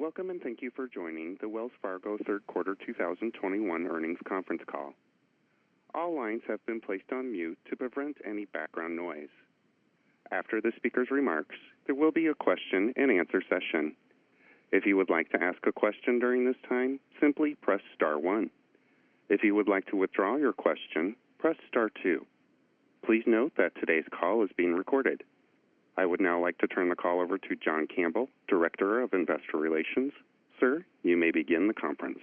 Welcome and thank you for joining the Wells Fargo Q3 2021 earnings conference call. All lines have been placed on mute to prevent any background noise. After the closing remarks, there will be I would be a question and answer session. If you would like to ask a question during this time simply press star one, if you would like to withdraw your question press star two. Note that this call is being recorded. Now like to turn the call over to John Campbell, Director of Investor Relations. Sir, you may begin the conference.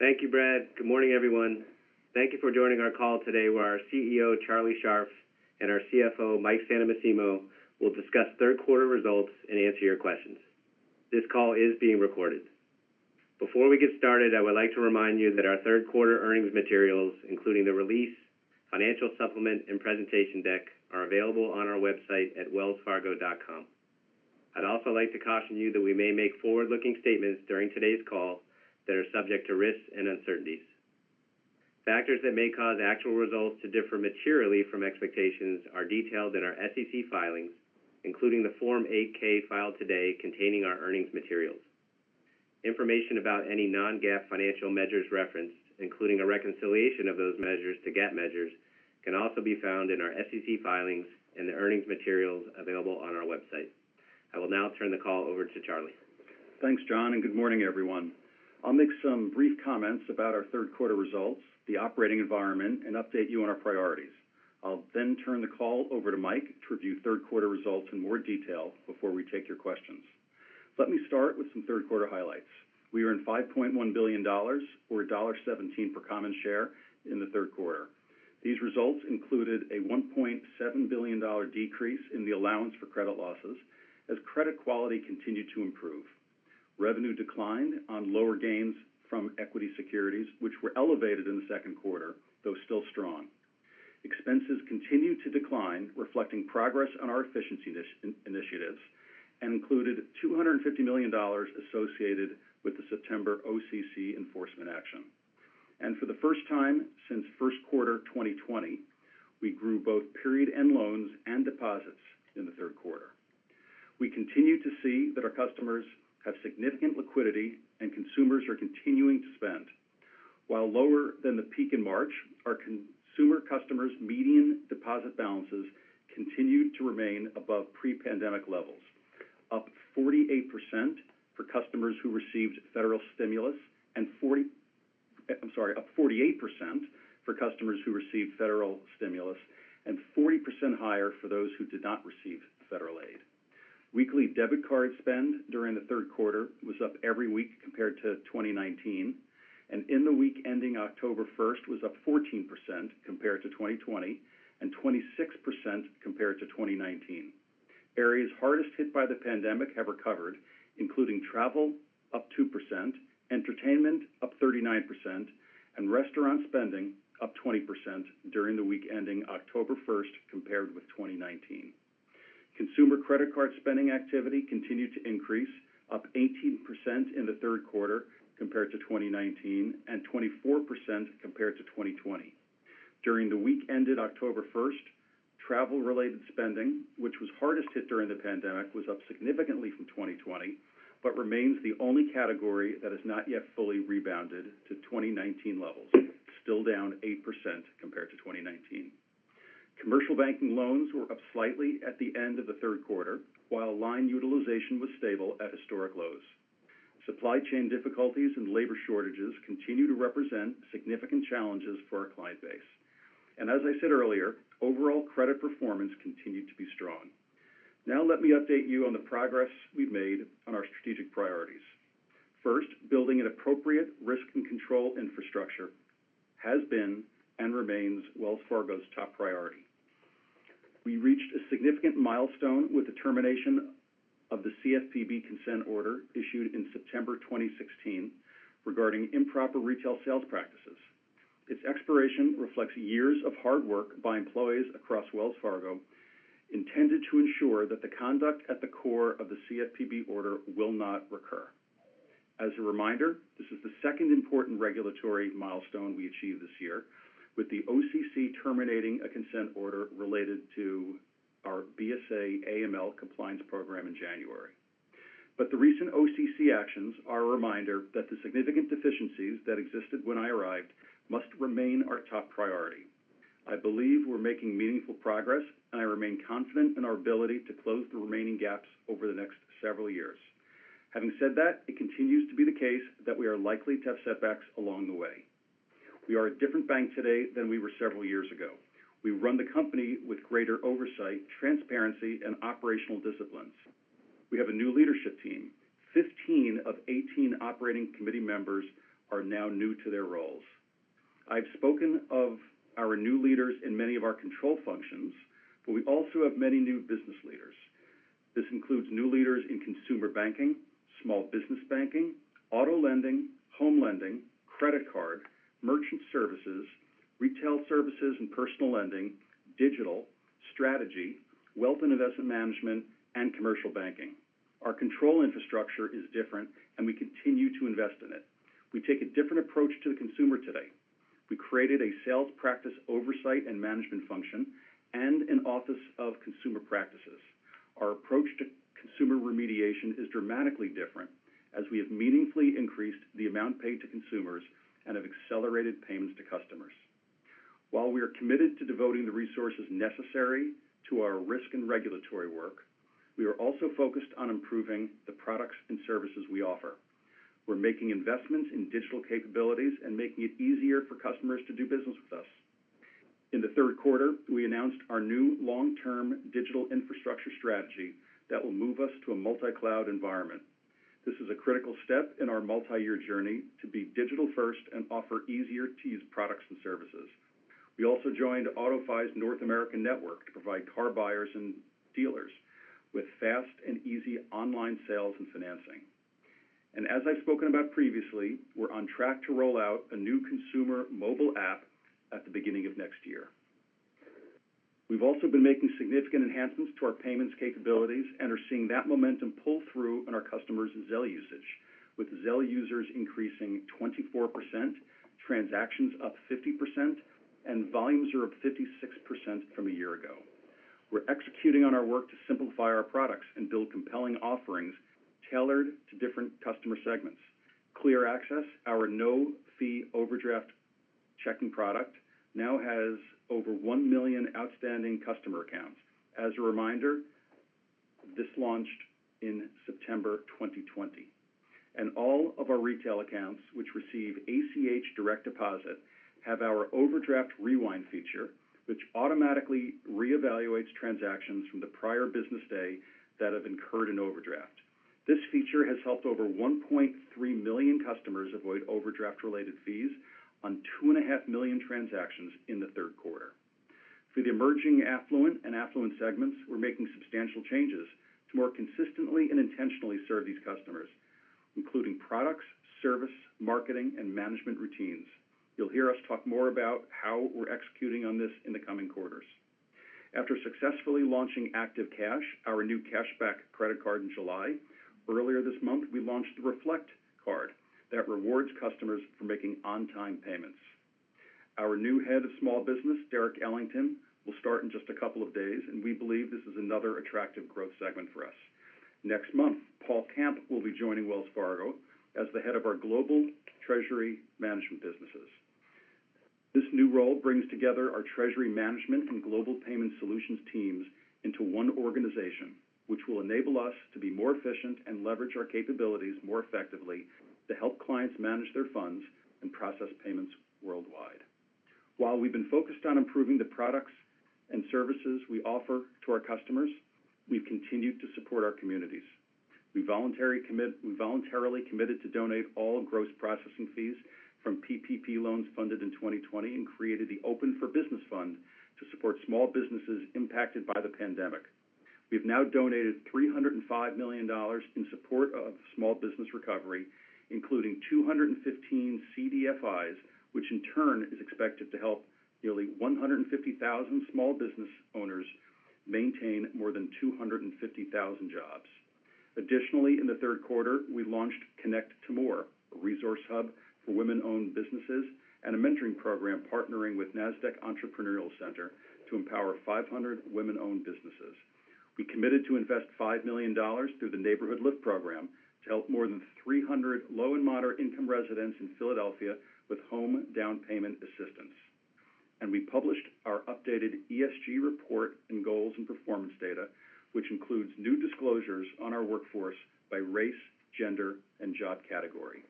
Thank you, Brad. Good morning, everyone. Thank you for joining our call today, where our CEO, Charlie Scharf, and our CFO, Mike Santomassimo, will discuss third quarter results and answer your questions. This call is being recorded. Before we get started, I would like to remind you that our third quarter earnings materials, including the release, financial supplement, and presentation deck, are available on our website at wellsfargo.com. I'd also like to caution you that we may make forward-looking statements during today's call that are subject to risks and uncertainties. Factors that may cause actual results to differ materially from expectations are detailed in our SEC filings, including the Form 8-K filed today containing our earnings materials. Information about any non-GAAP financial measures referenced, including a reconciliation of those measures to GAAP measures, can also be found in our SEC filings and the earnings materials available on our website. I will now turn the call over to Charlie. Thanks, John. Good morning, everyone. I'll make some brief comments about our 3rd quarter results, the operating environment, and update you on our priorities. I'll then turn the call over to Mike to review 3rd quarter results in more detail before we take your questions. Let me start with some 3rd quarter highlights. We earned $5.1 billion, or $1.17 per common share in the 3rd quarter. These results included a $1.7 billion decrease in the allowance for credit losses as credit quality continued to improve. Revenue declined on lower gains from equity securities, which were elevated in the second quarter, though still strong. Expenses continued to decline, reflecting progress on our efficiency initiatives, and included $250 million associated with the September OCC enforcement action. For the 1st time since 1st quarter 2020, we grew both period end loans and deposits in the 3rd quarter. We continue to see that our customers have significant liquidity and consumers are continuing to spend. While lower than the peak in March, our consumer customers' median deposit balances continued to remain above pre-pandemic levels, up 48% for customers who received federal stimulus, and 40% higher for those who did not receive federal aid. Weekly debit card spend during the third quarter was up every week compared to 2019, and in the week ending October 1st, was up 14% compared to 2020 and 26% compared to 2019. Areas hardest hit by the pandemic have recovered, including travel, up 2%, entertainment, up 39%, and restaurant spending, up 20% during the week ending October 1st compared with 2019. Consumer credit card spending activity continued to increase, up 18% in the third quarter compared to 2019 and 24% compared to 2020. During the week ended October 1st, travel-related spending, which was hardest hit during the pandemic, was up significantly from 2020, but remains the only category that has not yet fully rebounded to 2019 levels, still down 8% compared to 2019. Commercial banking loans were up slightly at the end of the third quarter, while line utilization was stable at historic lows. Supply chain difficulties and labor shortages continue to represent significant challenges for our client base. As I said earlier, overall credit performance continued to be strong. Now let me update you on the progress we've made on our strategic priorities. First, building an appropriate risk and control infrastructure has been and remains Wells Fargo's top priority. We reached a significant milestone with the termination of the CFPB consent order issued in September 2016 regarding improper retail sales practices. Its expiration reflects years of hard work by employees across Wells Fargo intended to ensure that the conduct at the core of the CFPB order will not recur. As a reminder, this is the second important regulatory milestone we achieved this year, with the OCC terminating a consent order related to our BSA/AML compliance program in January. The recent OCC actions are a reminder that the significant deficiencies that existed when I arrived must remain our top priority. I believe we're making meaningful progress, and I remain confident in our ability to close the remaining gaps over the next several years. Having said that, it continues to be the case that we are likely to have setbacks along the way. We are a different bank today than we were several years ago. We run the company with greater oversight, transparency, and operational disciplines. We have a new leadership team. 15 of 18 operating committee members are now new to their roles. I've spoken of our new leaders in many of our control functions, but we also have many new business leaders. This includes new leaders in consumer banking, small business banking, auto lending, home lending, credit card, merchant services, retail services and personal lending, digital, strategy, wealth and investment management, and commercial banking. Our control infrastructure is different, and we continue to invest in it. We take a different approach to the consumer today. We created a sales practice oversight and management function and an office of consumer practices. Our approach to consumer remediation is dramatically different as we have meaningfully increased the amount paid to consumers and have accelerated payments to customers. While we are committed to devoting the resources necessary to our risk and regulatory work, we are also focused on improving the products and services we offer. We're making investments in digital capabilities and making it easier for customers to do business with us. In the third quarter, we announced our new long-term digital infrastructure strategy that will move us to a multi-cloud environment. This is a critical step in our multi-year journey to be digital-first and offer easier-to-use products and services. We also joined AutoFi's North American network to provide car buyers and dealers with fast and easy online sales and financing. As I've spoken about previously, we're on track to roll out a new consumer mobile app at the beginning of next year. We've also been making significant enhancements to our payments capabilities and are seeing that momentum pull through in our customers' Zelle usage, with Zelle users increasing 24%, transactions up 50%, and volumes are up 56% from a year ago. We're executing on our work to simplify our products and build compelling offerings tailored to different customer segments. Clear Access, our no-fee overdraft checking product, now has over 1 million outstanding customer accounts. As a reminder, this launched in September 2020. All of our retail accounts which receive ACH direct deposit have our Overdraft Rewind feature, which automatically reevaluates transactions from the prior business day that have incurred an overdraft. This feature has helped over 1.3 million customers avoid overdraft-related fees on 2.5 million transactions in the third quarter. For the emerging affluent and affluent segments, we're making substantial changes to more consistently and intentionally serve these customers, including products, service, marketing, and management routines. You'll hear us talk more about how we're executing on this in the coming quarters. After successfully launching Active Cash, our new cash back credit card, in July, earlier this month, we launched the Reflect card that rewards customers for making on-time payments. Our new Head of Small Business, Derek Ellington, will start in just a couple of days, and we believe this is another attractive growth segment for us. Next month, Paul Camp will be joining Wells Fargo as the Head of our Global Treasury Management businesses. This new role brings together our treasury management and global payment solutions teams into one organization, which will enable us to be more efficient and leverage our capabilities more effectively to help clients manage their funds and process payments worldwide. While we've been focused on improving the products and services we offer to our customers, we've continued to support our communities. We voluntarily committed to donate all gross processing fees from PPP loans funded in 2020 and created the Open for Business Fund to support small businesses impacted by the pandemic. We've now donated $305 million in support of small business recovery, including 215 CDFIs, which in turn is expected to help nearly 150,000 small business owners maintain more than 250,000 jobs. Additionally, in the third quarter, we launched Connect to More, a resource hub for women-owned businesses, and a mentoring program partnering with Nasdaq Entrepreneurial Center to empower 500 women-owned businesses. We committed to invest $5 million through the NeighborhoodLIFT program to help more than 300 low and moderate-income residents in Philadelphia with home down payment assistance. We published our updated ESG report in goals and performance data, which includes new disclosures on our workforce by race, gender, and job category.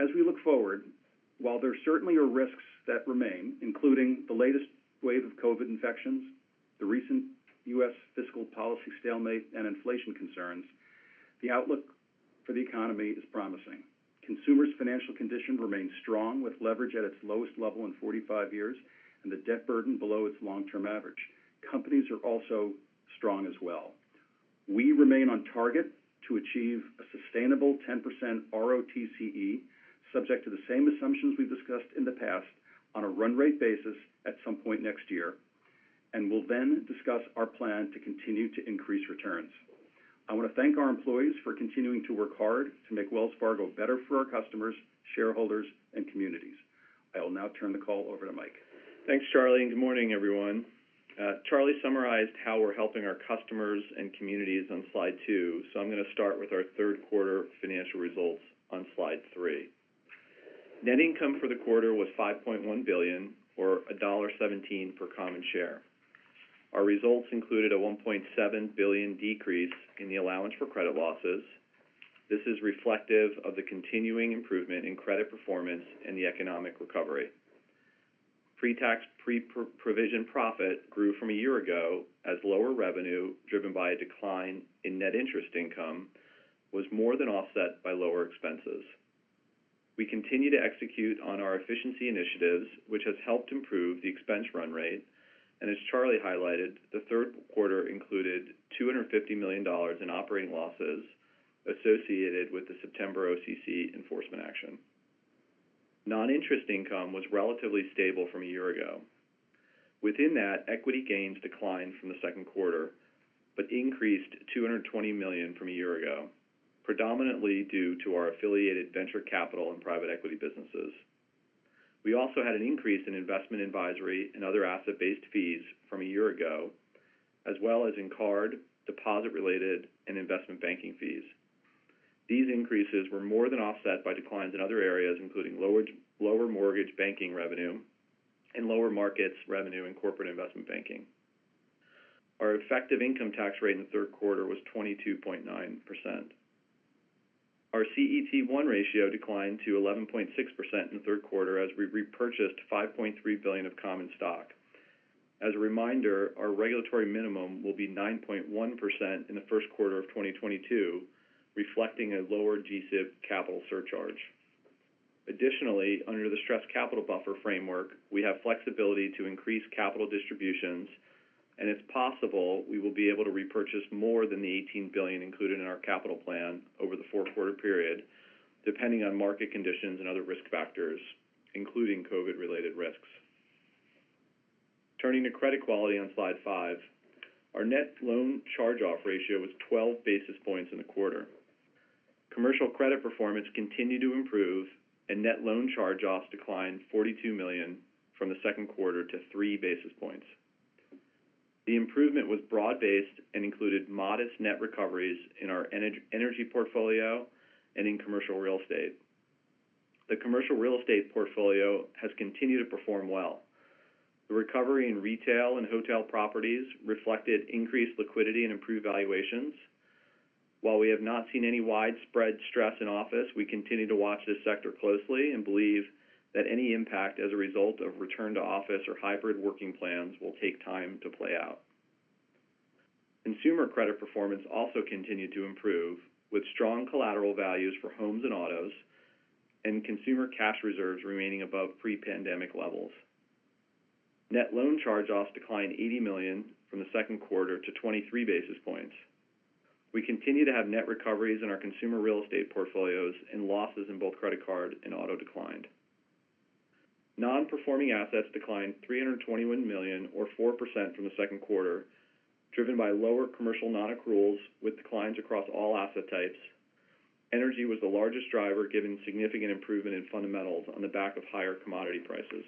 As we look forward, while there certainly are risks that remain, including the latest wave of COVID infections, the recent U.S. fiscal policy stalemate, and inflation concerns, the outlook for the economy is promising. Consumers' financial condition remains strong, with leverage at its lowest level in 45 years and the debt burden below its long-term average. Companies are also strong as well. We remain on target to achieve a sustainable 10% ROTCE, subject to the same assumptions we've discussed in the past, on a run-rate basis at some point next year, and we'll then discuss our plan to continue to increase returns. I want to thank our employees for continuing to work hard to make Wells Fargo better for our customers, shareholders, and communities. I will now turn the call over to Mike. Thanks, Charlie. Good morning, everyone. Charlie summarized how we're helping our customers and communities on slide two, so I'm going to start with our third-quarter financial results on slide 3. Net income for the quarter was $5.1 billion, or $1.17 per common share. Our results included a $1.7 billion decrease in the allowance for credit losses. This is reflective of the continuing improvement in credit performance and the economic recovery. Pre-tax, pre-provision profit grew from a year ago as lower revenue, driven by a decline in net interest income, was more than offset by lower expenses. We continue to execute on our efficiency initiatives, which has helped improve the expense run rate. As Charlie highlighted, the third quarter included $250 million in operating losses associated with the September OCC enforcement action. Non-interest income was relatively stable from a year ago. Within that, equity gains declined from the second quarter, but increased $220 million from a year ago, predominantly due to our affiliated venture capital and private equity businesses. We also had an increase in investment advisory and other asset-based fees from a year ago, as well as in card, deposit-related, and investment banking fees. These increases were more than offset by declines in other areas, including lower mortgage banking revenue and lower markets revenue and corporate investment banking. Our effective income tax rate in the third quarter was 22.9%. Our CET1 ratio declined to 11.6% in the third quarter as we repurchased $5.3 billion of common stock. As a reminder, our regulatory minimum will be 9.1% in the first quarter of 2022, reflecting a lower GSIB capital surcharge. Under the stress capital buffer framework, we have flexibility to increase capital distributions, and it's possible we will be able to repurchase more than the $18 billion included in our capital plan over the four-quarter period, depending on market conditions and other risk factors, including COVID-related risks. Turning to credit quality on slide five, our net loan charge-off ratio was 12 basis points in the quarter. Commercial credit performance continued to improve, net loan charge-offs declined $42 million from the second quarter to three basis points. The improvement was broad-based and included modest net recoveries in our energy portfolio and in commercial real estate. The commercial real estate portfolio has continued to perform well. The recovery in retail and hotel properties reflected increased liquidity and improved valuations. While we have not seen any widespread stress in office, we continue to watch this sector closely and believe that any impact as a result of return to office or hybrid working plans will take time to play out. Consumer credit performance also continued to improve, with strong collateral values for homes and autos and consumer cash reserves remaining above pre-pandemic levels. Net loan charge-offs declined $80 million from the second quarter to 23 basis points. We continue to have net recoveries in our consumer real estate portfolios and losses in both credit card and auto declined. Non-performing assets declined $321 million or 4% from the second quarter, driven by lower commercial non-accruals with declines across all asset types. Energy was the largest driver given significant improvement in fundamentals on the back of higher commodity prices.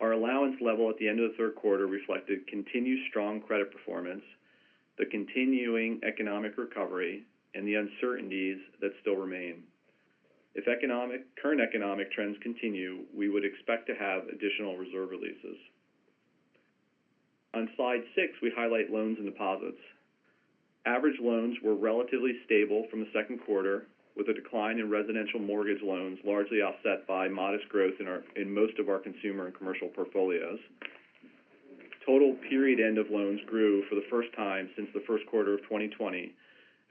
Our allowance level at the end of the third quarter reflected continued strong credit performance, the continuing economic recovery, and the uncertainties that still remain. If current economic trends continue, we would expect to have additional reserve releases. On slide six, we highlight loans and deposits. Average loans were relatively stable from the second quarter, with a decline in residential mortgage loans largely offset by modest growth in most of our consumer and commercial portfolios. Total period end of loans grew for the first time since the first quarter of 2020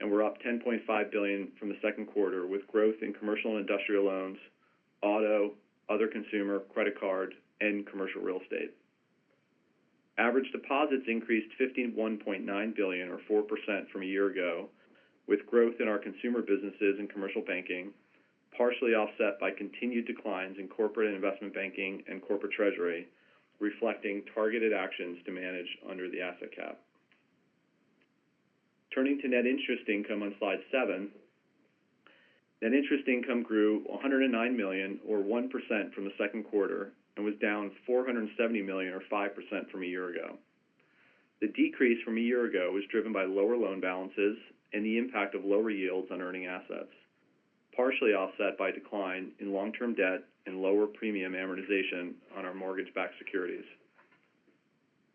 and were up $10.5 billion from the second quarter, with growth in commercial and industrial loans, auto, other consumer, credit card, and commercial real estate. Average deposits increased $51.9 billion or 4% from a year ago, with growth in our consumer businesses and commercial banking partially offset by continued declines in corporate and investment banking and corporate treasury, reflecting targeted actions to manage under the asset cap. Turning to net interest income on slide seven. Net interest income grew $109 million or 1% from the second quarter and was down $470 million or 5% from a year ago. The decrease from a year ago was driven by lower loan balances and the impact of lower yields on earning assets, partially offset by decline in long-term debt and lower premium amortization on our mortgage-backed securities.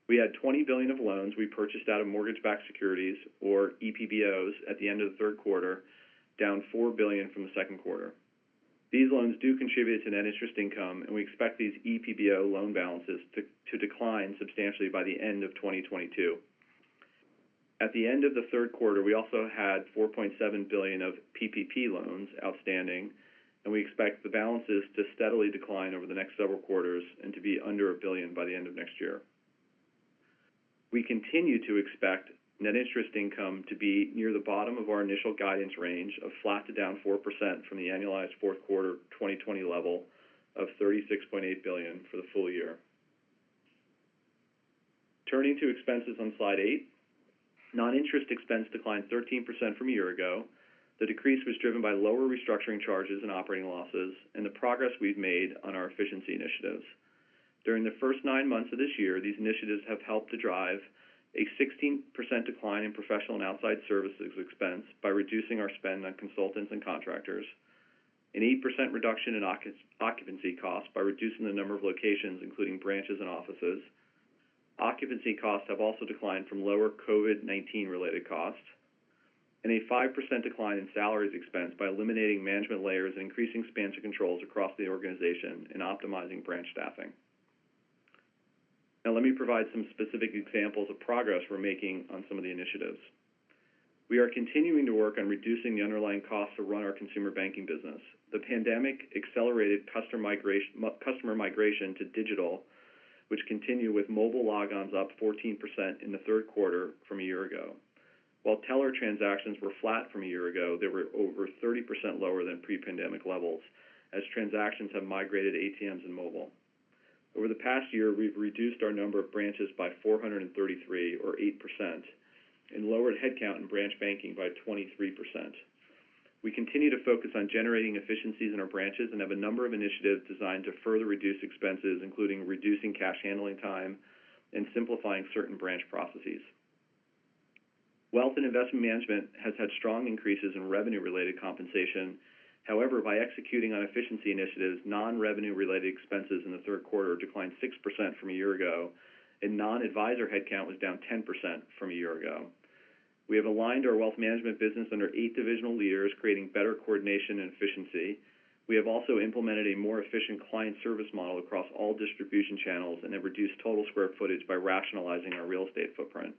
We had $20 billion of loans we purchased out of mortgage-backed securities or EPBOs at the end of the third quarter, down $4 billion from the second quarter. These loans do contribute to net interest income. We expect these EPBO loan balances to decline substantially by the end of 2022. At the end of the third quarter, we also had $4.7 billion of PPP loans outstanding. We expect the balances to steadily decline over the next several quarters and to be under $1 billion by the end of next year. We continue to expect net interest income to be near the bottom of our initial guidance range of flat to down 4% from the annualized fourth quarter 2020 level of $36.8 billion for the full year. Turning to expenses on slide eight. Non-interest expense declined 13% from a year ago. The decrease was driven by lower restructuring charges and operating losses and the progress we've made on our efficiency initiatives. During the first nine months of this year, these initiatives have helped to drive a 16% decline in professional and outside services expense by reducing our spend on consultants and contractors, an 8% reduction in occupancy costs by reducing the number of locations, including branches and offices. Occupancy costs have also declined from lower COVID-19 related costs, and a 5% decline in salaries expense by eliminating management layers and increasing spend controls across the organization and optimizing branch staffing. Let me provide some specific examples of progress we're making on some of the initiatives. We are continuing to work on reducing the underlying cost to run our consumer banking business. The pandemic accelerated customer migration to digital, which continue with mobile logons up 14% in the third quarter from a year ago. While teller transactions were flat from a year ago, they were over 30% lower than pre-pandemic levels as transactions have migrated to ATMs and mobile. Over the past year, we've reduced our number of branches by 433 or 8% and lowered headcount in branch banking by 23%. We continue to focus on generating efficiencies in our branches and have a number of initiatives designed to further reduce expenses, including reducing cash handling time and simplifying certain branch processes. Wealth and Investment Management has had strong increases in revenue-related compensation. However, by executing on efficiency initiatives, non-revenue-related expenses in the third quarter declined 6% from a year ago, and non-advisor headcount was down 10% from a year ago. We have aligned our wealth management business under eight divisional leaders, creating better coordination and efficiency. We have also implemented a more efficient client service model across all distribution channels and have reduced total square footage by rationalizing our real estate footprint.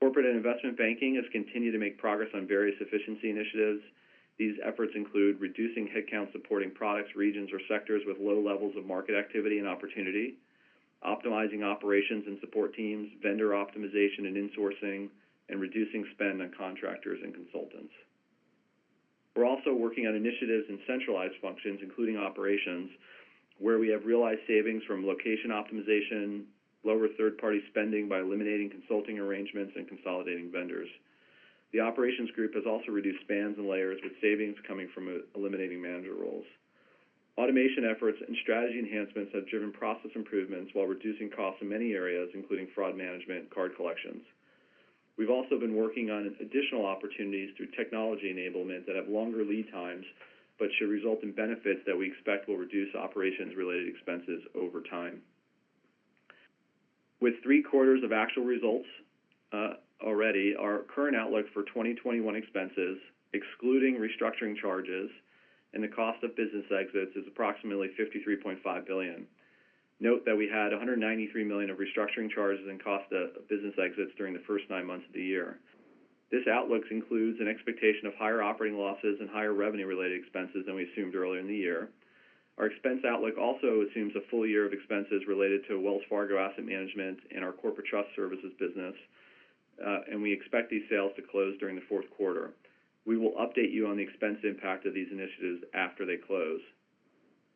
Corporate and investment banking has continued to make progress on various efficiency initiatives. These efforts include reducing headcount supporting products, regions, or sectors with low levels of market activity and opportunity, optimizing operations and support teams, vendor optimization and insourcing, and reducing spend on contractors and consultants. We're also working on initiatives in centralized functions, including operations, where we have realized savings from location optimization, lower third-party spending by eliminating consulting arrangements, and consolidating vendors. The operations group has also reduced spans and layers with savings coming from eliminating manager roles. Automation efforts and strategy enhancements have driven process improvements while reducing costs in many areas, including fraud management and card collections. We've also been working on additional opportunities through technology enablement that have longer lead times but should result in benefits that we expect will reduce operations-related expenses over time. With three-quarters of actual results already, our current outlook for 2021 expenses, excluding restructuring charges and the cost of business exits, is approximately $53.5 billion. Note that we had $193 million of restructuring charges and cost of business exits during the first nine months of the year. This outlook includes an expectation of higher operating losses and higher revenue-related expenses than we assumed earlier in the year. Our expense outlook also assumes a full year of expenses related to Wells Fargo Asset Management and our corporate trust services business, and we expect these sales to close during the fourth quarter. We will update you on the expense impact of these initiatives after they close.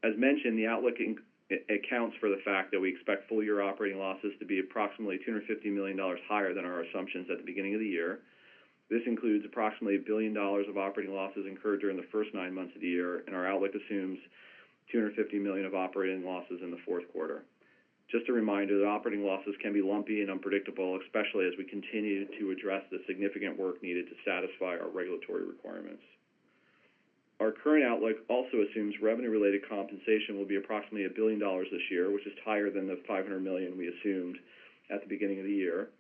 As mentioned, the outlook accounts for the fact that we expect full-year operating losses to be approximately $250 million higher than our assumptions at the beginning of the year. This includes approximately $1 billion of operating losses incurred during the first nine months of the year, and our outlook assumes $250 million of operating losses in the fourth quarter. Just a reminder that operating losses can be lumpy and unpredictable, especially as we continue to address the significant work needed to satisfy our regulatory requirements. Our current outlook also assumes revenue-related compensation will be approximately $1 billion this year, which is higher than the $500 million we assumed at the beginning of the year.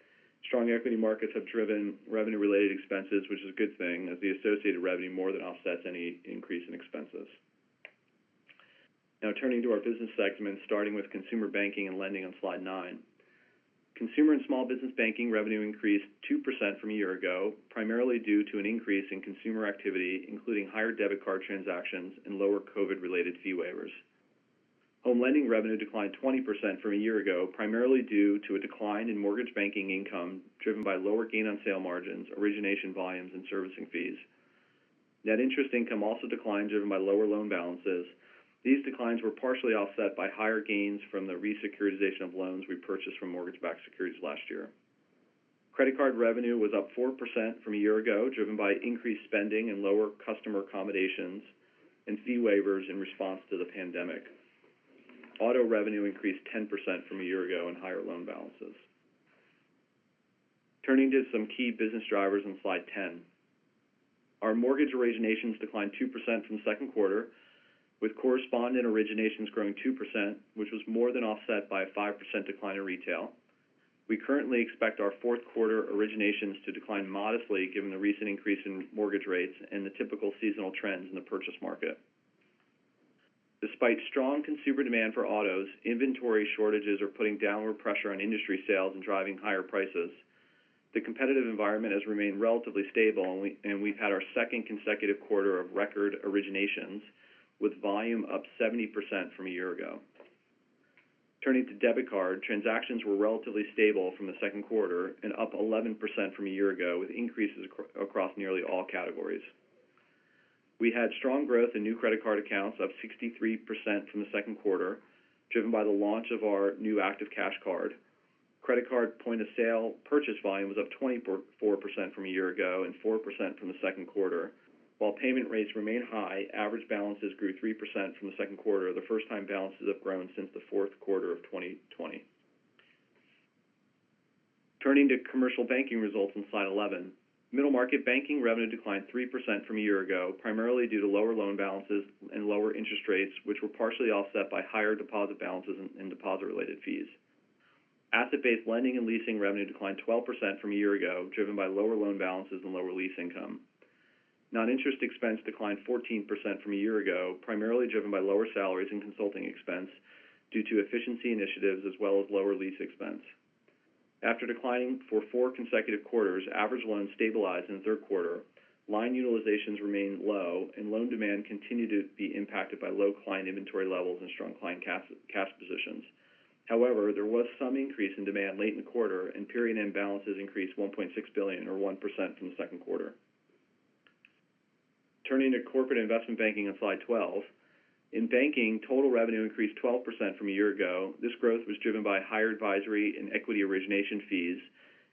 Strong equity markets have driven revenue-related expenses, which is a good thing, as the associated revenue more than offsets any increase in expenses. Turning to our business segments, starting with Consumer Banking and Lending on slide nine. Consumer and Small Business Banking revenue increased 2% from a year-ago, primarily due to an increase in consumer activity, including higher debit card transactions and lower COVID-related fee waivers. Home Lending revenue declined 20% from a year-ago, primarily due to a decline in mortgage banking income, driven by lower gain-on-sale margins, origination volumes, and servicing fees. Net interest income also declined, driven by lower loan balances. These declines were partially offset by higher gains from the re-securitization of loans we purchased from mortgage-backed securities last year. Credit card revenue was up 4% from a year ago, driven by increased spending and lower customer accommodations and fee waivers in response to the pandemic. Auto revenue increased 10% from a year ago on higher loan balances. Turning to some key business drivers on slide 10. Our mortgage originations declined 2% from the second quarter, with correspondent originations growing 2%, which was more than offset by a 5% decline in retail. We currently expect our fourth quarter originations to decline modestly given the recent increase in mortgage rates and the typical seasonal trends in the purchase market. Despite strong consumer demand for autos, inventory shortages are putting downward pressure on industry sales and driving higher prices. The competitive environment has remained relatively stable, and we've had our second consecutive quarter of record originations, with volume up 70% from a year ago. Turning to debit card, transactions were relatively stable from the second quarter and up 11% from a year ago, with increases across nearly all categories. We had strong growth in new credit card accounts, up 63% from the second quarter, driven by the launch of our new Active Cash card. Credit card point-of-sale purchase volume was up 24% from a year ago and 4% from the second quarter. While payment rates remain high, average balances grew 3% from the second quarter, the first time balances have grown since the fourth quarter of 2020. Turning to commercial banking results on slide 11. Middle market banking revenue declined 3% from a year ago, primarily due to lower loan balances and lower interest rates, which were partially offset by higher deposit balances and deposit-related fees. Asset-based lending and leasing revenue declined 12% from a year ago, driven by lower loan balances and lower lease income. Non-interest expense declined 14% from a year ago, primarily driven by lower salaries and consulting expense due to efficiency initiatives as well as lower lease expense. After declining for four consecutive quarters, average loans stabilized in the third quarter. Line utilizations remained low, and loan demand continued to be impacted by low client inventory levels and strong client cash positions. However, there was some increase in demand late in the quarter, and period-end balances increased $1.6 billion, or 1%, from the second quarter. Turning to corporate investment banking on slide 12. In banking, total revenue increased 12% from a year ago. This growth was driven by higher advisory and equity origination fees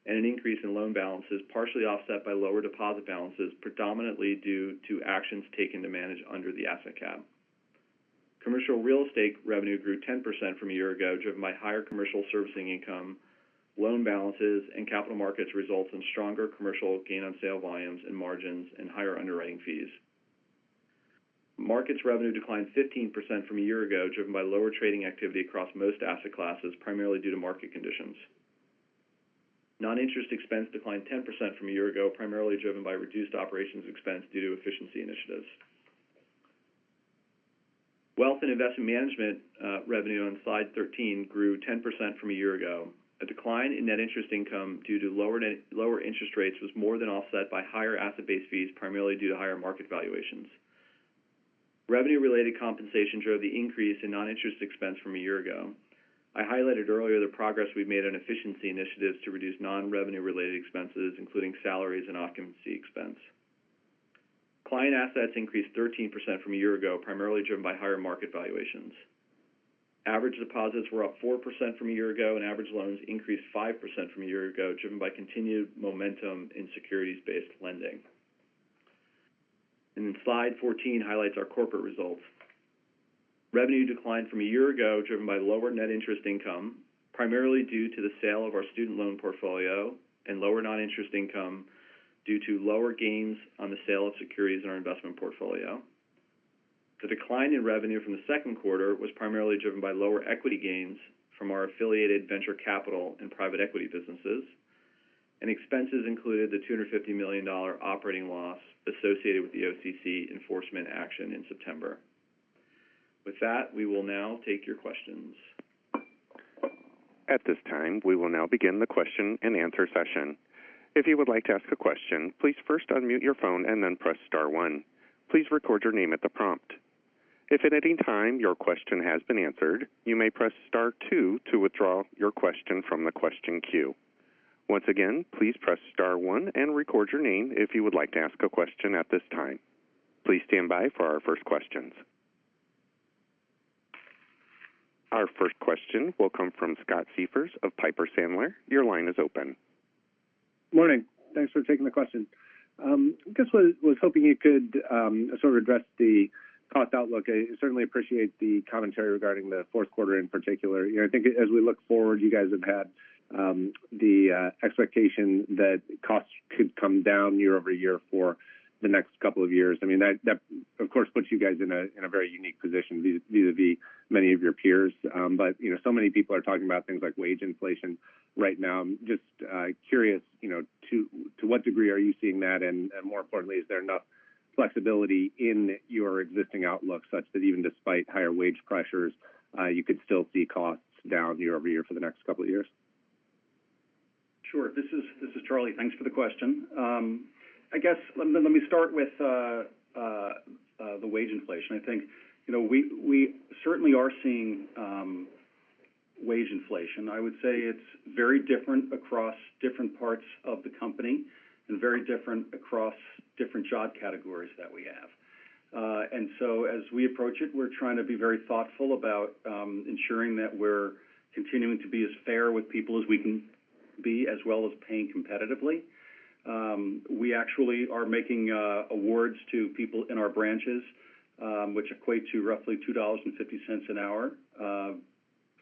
and an increase in loan balances, partially offset by lower deposit balances, predominantly due to actions taken to manage under the asset cap. Commercial real estate revenue grew 10% from a year ago, driven by higher commercial servicing income, loan balances, and capital markets results in stronger commercial gain-on-sale volumes and margins and higher underwriting fees. Markets revenue declined 15% from a year ago, driven by lower trading activity across most asset classes, primarily due to market conditions. Non-interest expense declined 10% from a year ago, primarily driven by reduced operations expense due to efficiency initiatives. Wealth and investment management revenue on slide 13 grew 10% from a year ago. A decline in net interest income due to lower interest rates was more than offset by higher asset-based fees, primarily due to higher market valuations. Revenue-related compensation drove the increase in non-interest expense from a year ago. I highlighted earlier the progress we've made on efficiency initiatives to reduce non-revenue-related expenses, including salaries and occupancy expense. Client assets increased 13% from a year ago, primarily driven by higher market valuations. Average deposits were up 4% from a year ago, and average loans increased 5% from a year ago, driven by continued momentum in securities-based lending. Slide 14 highlights our corporate results. Revenue declined from a year ago, driven by lower net interest income, primarily due to the sale of our student loan portfolio, and lower non-interest income due to lower gains on the sale of securities in our investment portfolio. The decline in revenue from the second quarter was primarily driven by lower equity gains from our affiliated venture capital and private equity businesses, and expenses included the $250 million operating loss associated with the OCC enforcement action in September. With that, we will now take your questions. Our first question will come from Scott Siefers of Piper Sandler. Your line is open. Morning. Thanks for taking the question. I guess I was hoping you could sort of address the cost outlook. I certainly appreciate the commentary regarding the fourth quarter in particular. I think as we look forward, you guys have had the expectation that costs could come down year-over-year for the next couple of years. That, of course, puts you guys in a very unique position vis-à-vis many of your peers. So many people are talking about things like wage inflation right now. I'm just curious, to what degree are you seeing that? More importantly, is there enough flexibility in your existing outlook such that even despite higher wage pressures, you could still see costs down year-over-year for the next couple of years? Sure. This is Charlie. Thanks for the question. I guess let me start with the wage inflation. I think we certainly are seeing wage inflation. I would say it's very different across different parts of the company and very different across different job categories that we have. As we approach it, we're trying to be very thoughtful about ensuring that we're continuing to be as fair with people as we can be, as well as paying competitively. We actually are making awards to people in our branches, which equate to roughly $2.50 an hour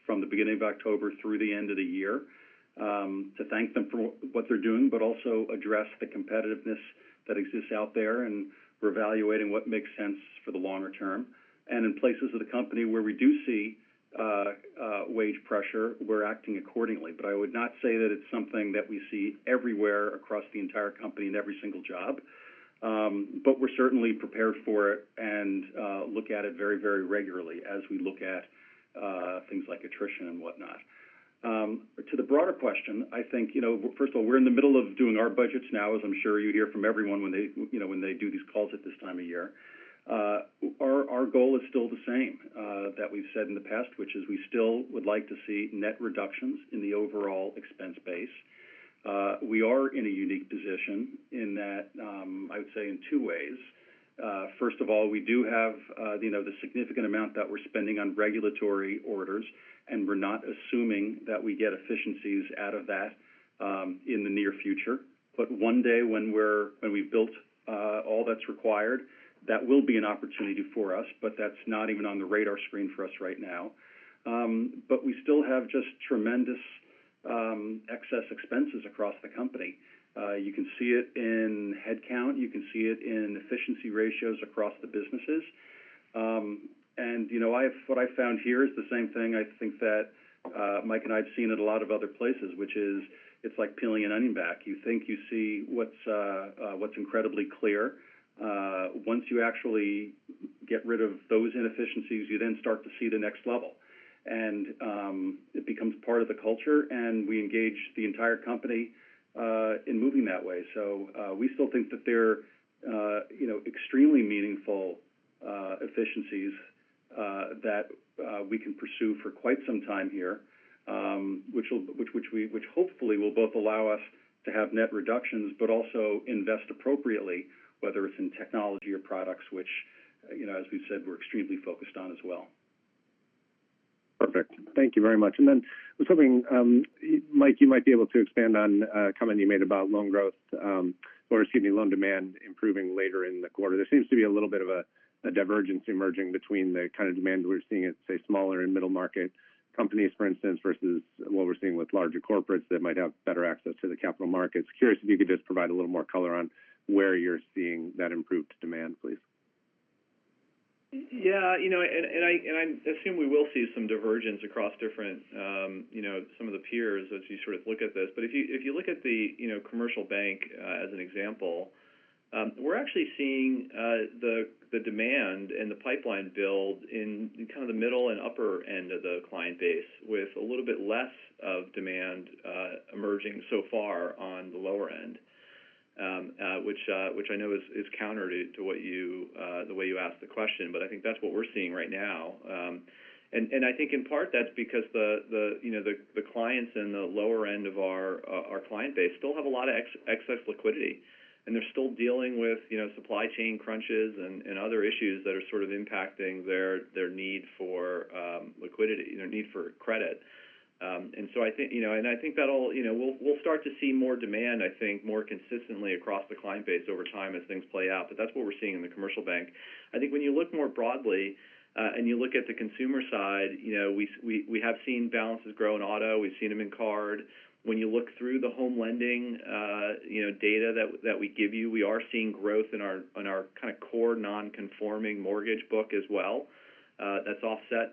from the beginning of October through the end of the year to thank them for what they're doing, but also address the competitiveness that exists out there, and we're evaluating what makes sense for the longer term. In places of the company where we do see wage pressure, we're acting accordingly. I would not say that it's something that we see everywhere across the entire company in every single job. We're certainly prepared for it and look at it very regularly as we look at things like attrition and whatnot. To the broader question, I think first of all, we're in the middle of doing our budgets now, as I'm sure you hear from everyone when they do these calls at this time of year. Our goal is still the same that we've said in the past, which is we still would like to see net reductions in the overall expense base. We are in a unique position in that I would say in two ways. First of all, we do have the significant amount that we're spending on regulatory orders, and we're not assuming that we get efficiencies out of that in the near future. One day when we've built all that's required, that will be an opportunity for us, but that's not even on the radar screen for us right now. We still have just tremendous excess expenses across the company. You can see it in headcount. You can see it in efficiency ratios across the businesses. What I've found here is the same thing I think that Mike and I have seen at a lot of other places, which is it's like peeling an onion back. You think you see what's incredibly clear. Once you actually get rid of those inefficiencies, you then start to see the next level. It becomes part of the culture, and we engage the entire company in moving that way. We still think that there are extremely meaningful efficiencies that we can pursue for quite some time here which hopefully will both allow us to have net reductions, but also invest appropriately, whether it's in technology or products, which, as we've said, we're extremely focused on as well. Perfect. Thank you very much. Then there's something, Mike, you might be able to expand on, a comment you made about loan demand improving later in the quarter. There seems to be a little bit of a divergence emerging between the kind of demand we're seeing at, say, smaller and middle-market companies, for instance, versus what we're seeing with larger corporates that might have better access to the capital markets. Curious if you could just provide a little more color on where you're seeing that improved demand, please. Yeah. I assume we will see some divergence across some of the peers as you look at this. If you look at the commercial bank as an example, we're actually seeing the demand and the pipeline build in the middle and upper end of the client base, with a little bit less of demand emerging so far on the lower end. Which I know is counter to the way you asked the question, but I think that's what we're seeing right now. I think in part that's because the clients in the lower end of our client base still have a lot of excess liquidity, and they're still dealing with supply chain crunches and other issues that are impacting their need for credit. I think we'll start to see more demand, I think, more consistently across the client base over time as things play out. That's what we're seeing in the commercial bank. I think when you look more broadly, and you look at the consumer side, we have seen balances grow in auto, we've seen them in card. When you look through the home lending data that we give you, we are seeing growth in our core non-conforming mortgage book as well. That's offset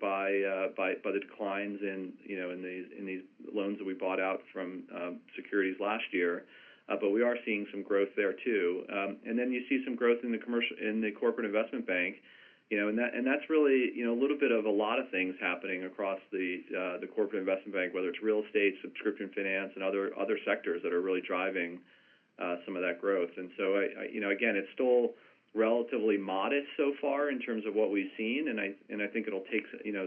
by the declines in these loans that we bought out from securities last year. We are seeing some growth there too. Then you see some growth in the corporate investment bank, and that's really a little bit of a lot of things happening across the corporate investment bank, whether it's real estate, subscription finance, and other sectors that are really driving some of that growth. Again, it's still relatively modest so far in terms of what we've seen, and I think it'll take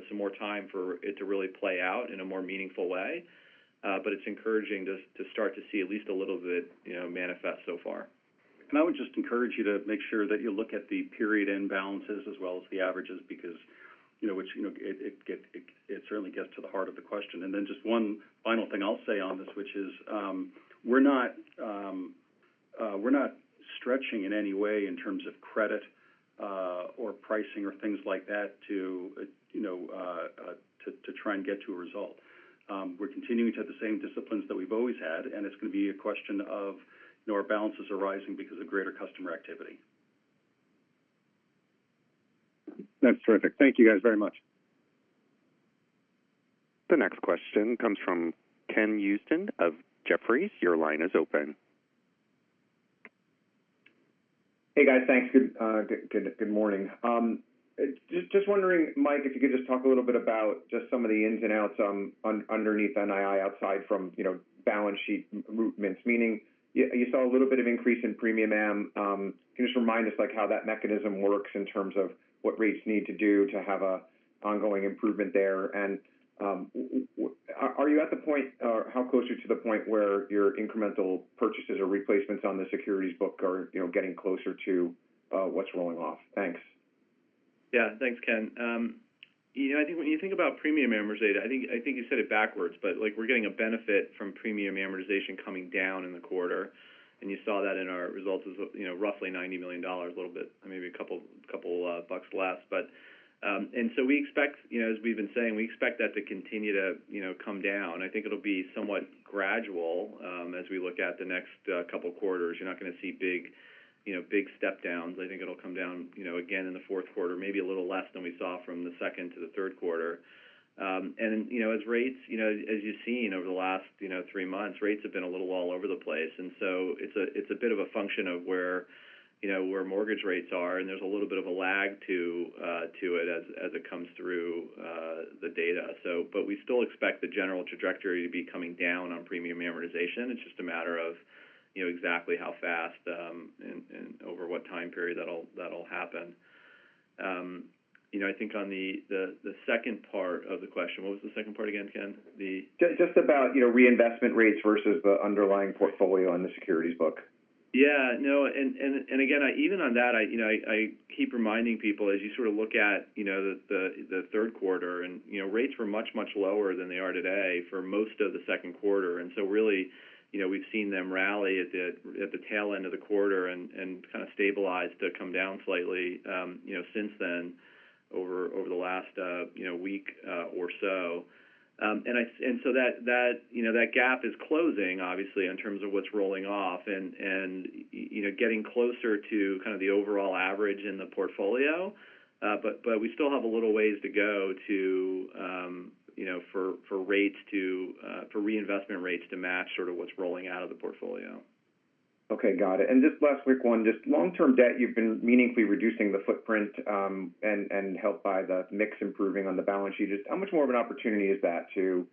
some more time for it to really play out in a more meaningful way. It's encouraging to start to see at least a little bit manifest so far. I would just encourage you to make sure that you look at the period-end balances as well as the averages because it certainly gets to the heart of the question. Just one final thing I'll say on this, which is we're not stretching in any way in terms of credit or pricing or things like that to try and get to a result. We're continuing to have the same disciplines that we've always had, and it's going to be a question of our balances are rising because of greater customer activity. That's terrific. Thank you guys very much. The next question comes from Ken Usdin of Jefferies. Your line is open. Hey, guys. Thanks. Good morning. Just wondering, Mike, if you could just talk a little bit about just some of the ins and outs underneath NII outside from balance sheet movements, meaning you saw a little bit of increase in premium am. Can you just remind us how that mechanism works in terms of what rates need to do to have an ongoing improvement there? How close are you to the point where your incremental purchases or replacements on the securities book are getting closer to what's rolling off? Thanks. Thanks, Ken. I think when you think about premium amortization, I think you said it backwards, but we're getting a benefit from premium amortization coming down in the quarter. You saw that in our results as roughly $90 million, a little bit, maybe a couple bucks less. We expect, as we've been saying, we expect that to continue to come down. I think it'll be somewhat gradual as we look at the next couple quarters. You're not going to see big step downs. I think it'll come down again in the fourth quarter, maybe a little less than we saw from the second to the third quarter. As you've seen over the last 3 months, rates have been a little all over the place. It's a bit of a function of where mortgage rates are, and there's a little bit of a lag to it as it comes through the data. We still expect the general trajectory to be coming down on premium amortization. It's just a matter of exactly how fast and over what time period that'll happen. I think on the second part of the question, what was the second part again, Ken? Just about reinvestment rates versus the underlying portfolio on the securities book. Yeah. No, again, even on that, I keep reminding people as you look at the third quarter, rates were much, much lower than they are today for most of the second quarter. Really, we've seen them rally at the tail end of the quarter and kind of stabilize to come down slightly since then over the last week or so. That gap is closing, obviously, in terms of what's rolling off and getting closer to kind of the overall average in the portfolio. We still have a little ways to go for reinvestment rates to match what's rolling out of the portfolio. Okay. Got it. Just last quick one, just long-term debt, you've been meaningfully reducing the footprint and helped by the mix improving on the balance sheet. Just how much more of an opportunity is that to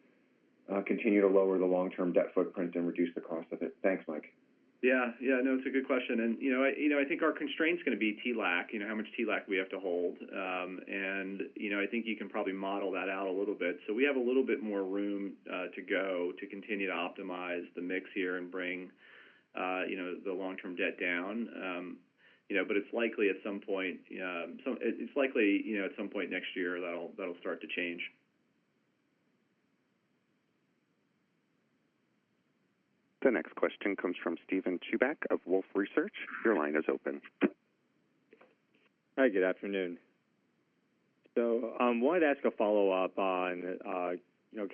continue to lower the long-term debt footprint and reduce the cost of it. Thanks, Mike. Yeah. No, it's a good question. I think our constraint's going to be TLAC, how much TLAC we have to hold. I think you can probably model that out a little bit. We have a little bit more room to go to continue to optimize the mix here and bring the long-term debt down. It's likely at some point next year that'll start to change. The next question comes from Steven Chubak of Wolfe Research. Your line is open. Hi, good afternoon. Wanted to ask a follow-up on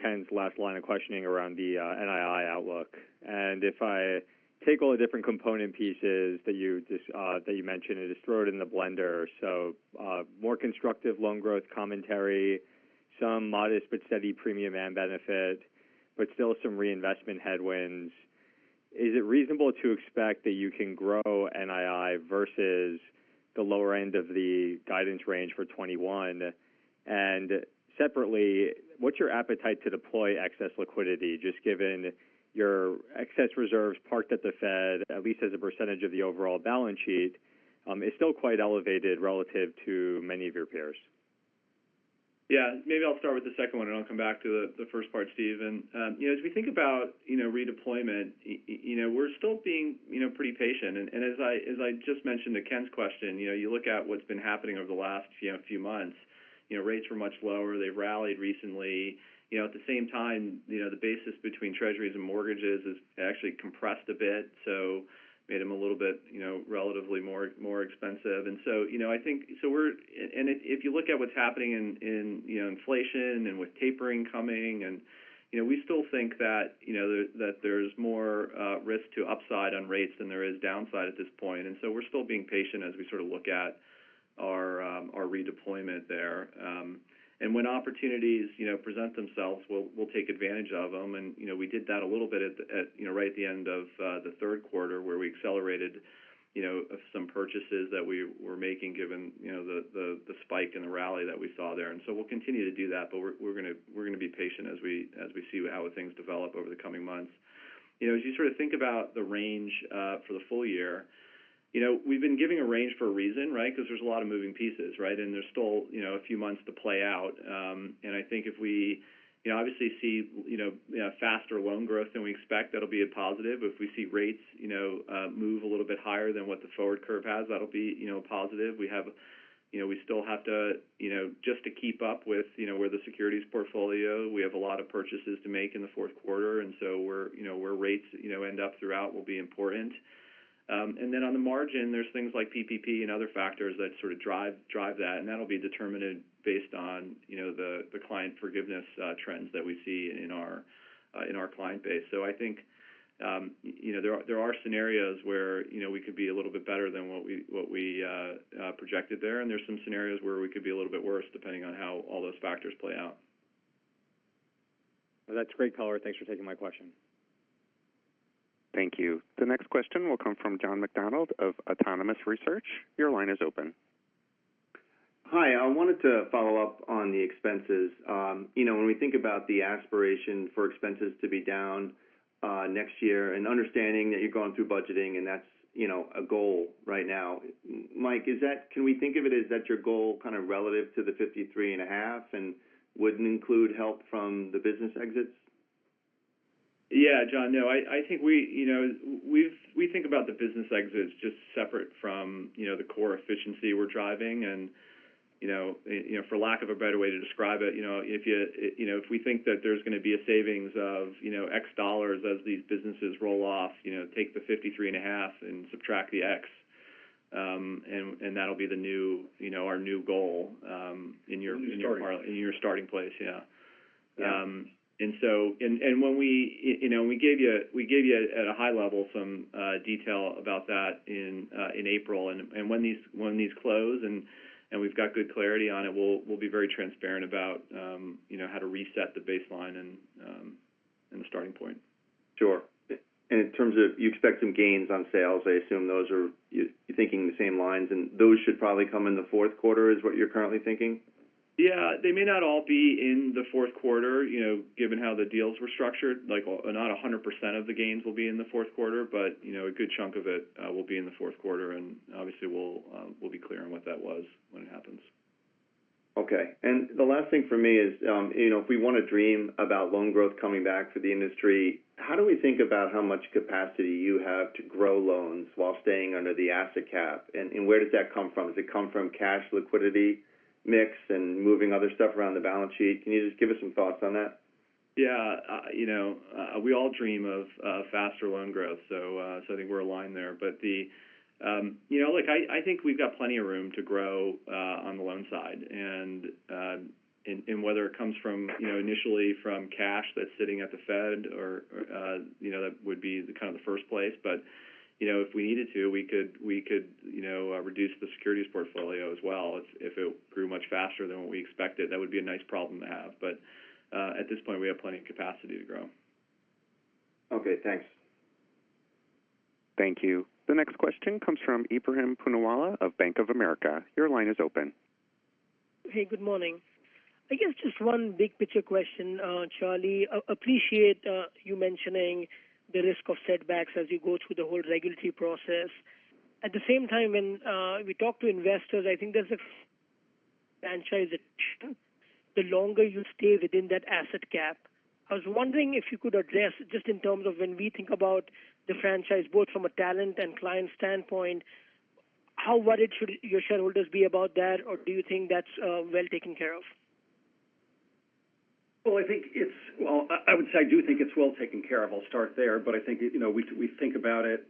Ken's last line of questioning around the NII outlook. If I take all the different component pieces that you mentioned and just throw it in the blender, more constructive loan growth commentary, some modest but steady premium and benefit, but still some reinvestment headwinds. Is it reasonable to expect that you can grow NII versus the lower end of the guidance range for 2021? Separately, what's your appetite to deploy excess liquidity, just given your excess reserves parked at the Fed, at least as a percentage of the overall balance sheet, is still quite elevated relative to many of your peers. Yeah. Maybe I'll start with the second one, and I'll come back to the first part, Steve. As we think about redeployment, we're still being pretty patient. As I just mentioned to Ken's question, you look at what's been happening over the last few months. Rates were much lower. They rallied recently. At the same time, the basis between Treasuries and mortgages has actually compressed a bit, so made them a little bit relatively more expensive. If you look at what's happening in inflation and with tapering coming, and we still think that there's more risk to upside on rates than there is downside at this point. So we're still being patient as we sort of look at our redeployment there. When opportunities present themselves, we'll take advantage of them. We did that a little bit right at the end of the third quarter where we accelerated some purchases that we were making given the spike and the rally that we saw there. We'll continue to do that, but we're going to be patient as we see how things develop over the coming months. As you sort of think about the range for the full year, we've been giving a range for a reason, right? There's a lot of moving pieces, right? There's still a few months to play out. I think if we obviously see faster loan growth than we expect, that'll be a positive. If we see rates move a little bit higher than what the forward curve has, that'll be a positive. We still have to just to keep up with where the securities portfolio, we have a lot of purchases to make in the fourth quarter. Where rates end up throughout will be important. On the margin, there's things like PPP and other factors that sort of drive that. That'll be determined based on the client forgiveness trends that we see in our client base. I think there are scenarios where we could be a little bit better than what we projected there. There's some scenarios where we could be a little bit worse depending on how all those factors play out. That's great, Howard. Thanks for taking my question. Thank you. The next question will come from John McDonald of Autonomous Research. Your line is open. Hi, I wanted to follow up on the expenses. When we think about the aspiration for expenses to be down next year and understanding that you're going through budgeting and that's a goal right now. Mike, can we think of it as that's your goal kind of relative to the $53 and a half and wouldn't include help from the business exits? John. No, I think we think about the business exits just separate from the core efficiency we're driving. For lack of a better way to describe it, if we think that there's going to be a savings of $X as these businesses roll off, take the 53.5 and subtract the X, that'll be our new goal. Starting place in your starting place. Yeah. Yeah. We gave you at a high level some detail about that in April. When these close and we've got good clarity on it, we'll be very transparent about how to reset the baseline and the starting point. Sure. In terms of you expect some gains on sales, I assume those are you're thinking the same lines, and those should probably come in the fourth quarter is what you're currently thinking? Yeah. They may not all be in the fourth quarter given how the deals were structured. Not 100% of the gains will be in the fourth quarter, but a good chunk of it will be in the fourth quarter. Obviously, we'll be clear on what that was when it happens. Okay. The last thing for me is if we want to dream about loan growth coming back to the industry, how do we think about how much capacity you have to grow loans while staying under the asset cap? Where does that come from? Does it come from cash liquidity mix and moving other stuff around the balance sheet? Can you just give us some thoughts on that? Yeah. We all dream of faster loan growth. I think we're aligned there. I think we've got plenty of room to grow on the loan side. Whether it comes initially from cash that's sitting at the Fed, or that would be kind of the first place. If we needed to, we could reduce the securities portfolio as well if it grew much faster than what we expected. That would be a nice problem to have. At this point, we have plenty of capacity to grow. Okay. Thanks. Thank you. The next question comes from Ebrahim Poonawala of Bank of America. Your line is open. Hey, good morning. I guess just one big-picture question, Charlie. Appreciate you mentioning the risk of setbacks as you go through the whole regulatory process. At the same time, when we talk to investors, I think there's a franchise the longer you stay within that asset cap. I was wondering if you could address, just in terms of when we think about the franchise, both from a talent and client standpoint, how worried should your shareholders be about that, or do you think that's well taken care of? Well, I would say I do think it's well taken care of. I'll start there. I think we think about it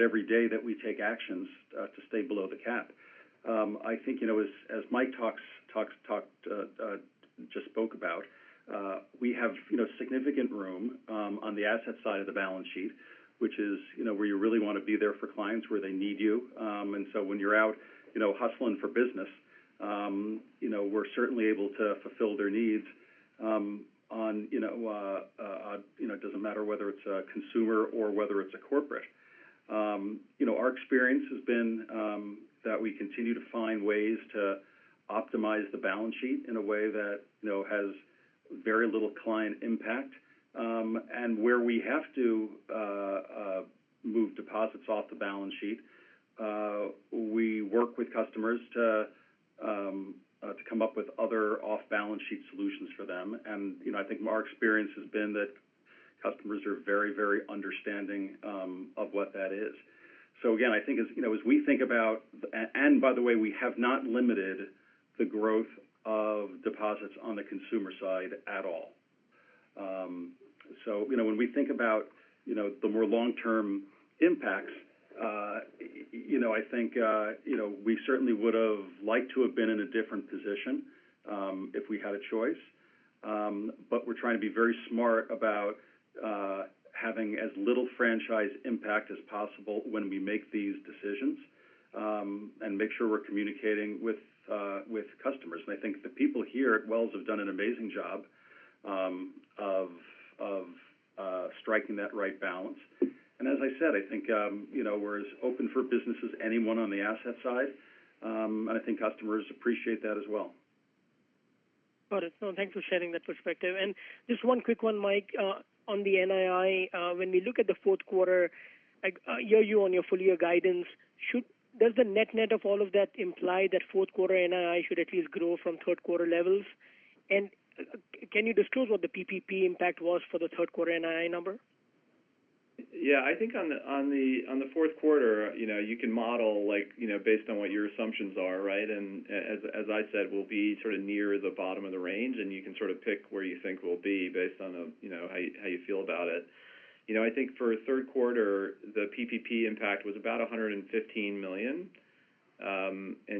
every day that we take actions to stay below the cap. I think, as Mike just spoke about, we have significant room on the asset side of the balance sheet, which is where you really want to be there for clients where they need you. When you're out hustling for business, we're certainly able to fulfill their needs. It doesn't matter whether it's a consumer or whether it's a corporate. Our experience has been that we continue to find ways to optimize the balance sheet in a way that has very little client impact. Where we have to move deposits off the balance sheet, we work with customers to come up with other off-balance-sheet solutions for them. I think our experience has been that customers are very understanding of what that is. Again, and by the way, we have not limited the growth of deposits on the consumer side at all. We're trying to be very smart about having as little franchise impact as possible when we make these decisions, and make sure we're communicating with customers. I think the people here at Wells have done an amazing job of striking that right balance. As I said, I think we're as open for business as anyone on the asset side, and I think customers appreciate that as well. Got it. No, thanks for sharing that perspective. Just one quick one, Mike, on the NII. When we look at the fourth quarter, I hear you on your full-year guidance. Does the net of all of that imply that fourth quarter NII should at least grow from third quarter levels? Can you disclose what the PPP impact was for the third quarter NII number? Yeah. I think on the fourth quarter, you can model based on what your assumptions are, right? As I said, we'll be sort of near the bottom of the range, and you can sort of pick where you think we'll be based on how you feel about it. I think for third quarter, the PPP impact was about $115 million.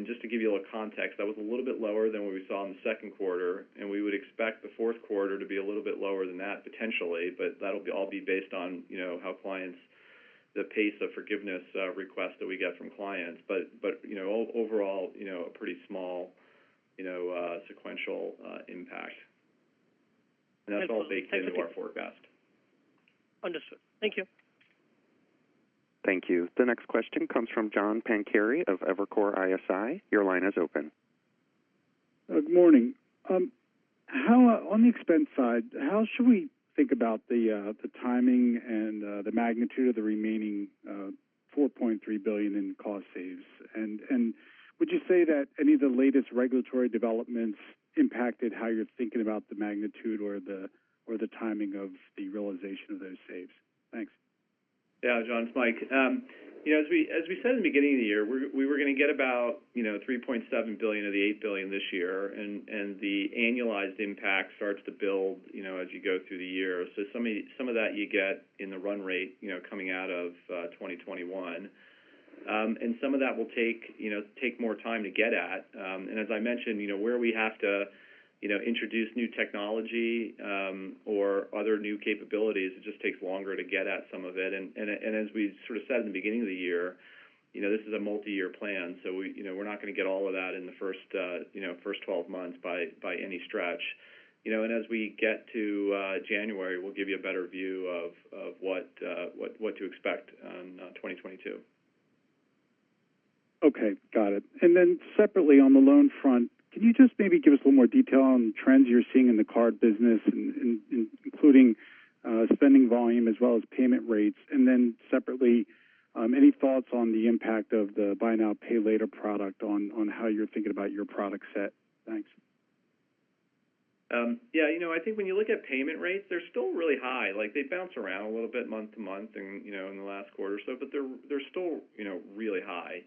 Just to give you a little context, that was a little bit lower than what we saw in the second quarter, and we would expect the fourth quarter to be a little bit lower than that, potentially. That'll all be based on the pace of forgiveness requests that we get from clients. Overall, a pretty small sequential impact. Got it. That's all baked into our forecast. Understood. Thank you. Thank you. The next question comes from John Pancari of Evercore ISI. Your line is open. Good morning. On the expense side, how should we think about the timing and the magnitude of the remaining $4.3 billion in cost saves? Would you say that any of the latest regulatory developments impacted how you're thinking about the magnitude or the timing of the realization of those saves? Thanks. Yeah, John, it's Mike. As we said in the beginning of the year, we were going to get about $3.7 billion of the $8 billion this year, and the annualized impact starts to build as you go through the year. Some of that you get in the run rate coming out of 2021. Some of that will take more time to get at. As I mentioned, where we have to introduce new technology or other new capabilities, it just takes longer to get at some of it. As we sort of said in the beginning of the year, this is a multi-year plan, so we're not going to get all of that in the first 12 months by any stretch. As we get to January, we'll give you a better view of what to expect on 2022. Okay. Got it. Separately, on the loan front, can you just maybe give us a little more detail on trends you're seeing in the card business, including spending volume as well as payment rates? Separately, any thoughts on the impact of the buy now, pay later product on how you're thinking about your product set? Thanks. Yeah. I think when you look at payment rates, they're still really high. They bounce around a little bit month to month in the last quarter or so, but they're still really high.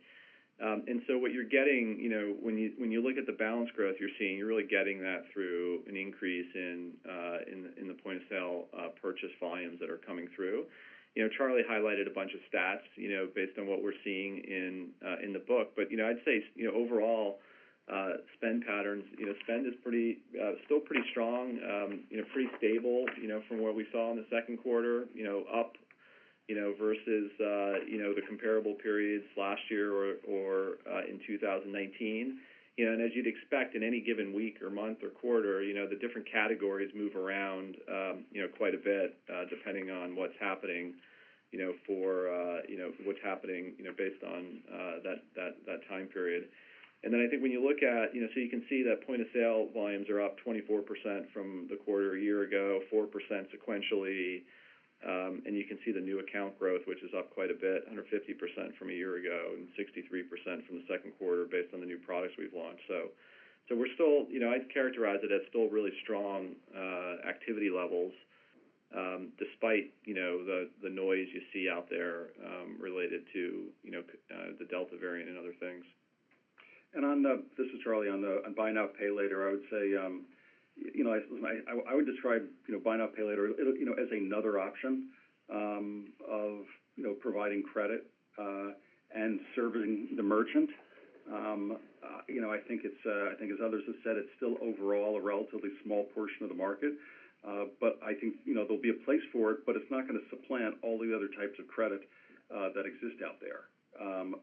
What you're getting when you look at the balance growth you're seeing, you're really getting that through an increase in the point-of-sale purchase volumes that are coming through. Charlie highlighted a bunch of stats based on what we're seeing in the book. I'd say overall spend patterns, spend is still pretty strong, pretty stable from what we saw in the second quarter, up versus the comparable periods last year or in 2019. As you'd expect in any given week or month or quarter, the different categories move around quite a bit depending on what's happening based on that time period. You can see that point of sale volumes are up 24% from the quarter a year ago, 4% sequentially. You can see the new account growth, which is up quite a bit, 150% from a year ago, and 63% from the second quarter based on the new products we've launched. I'd characterize it as still really strong activity levels, despite the noise you see out there related to the Delta variant and other things. This is Charlie. On the buy now, pay later, I would describe buy now, pay later as another option of providing credit and serving the merchant. I think as others have said, it's still overall a relatively small portion of the market. I think there'll be a place for it, but it's not going to supplant all the other types of credit that exist out there.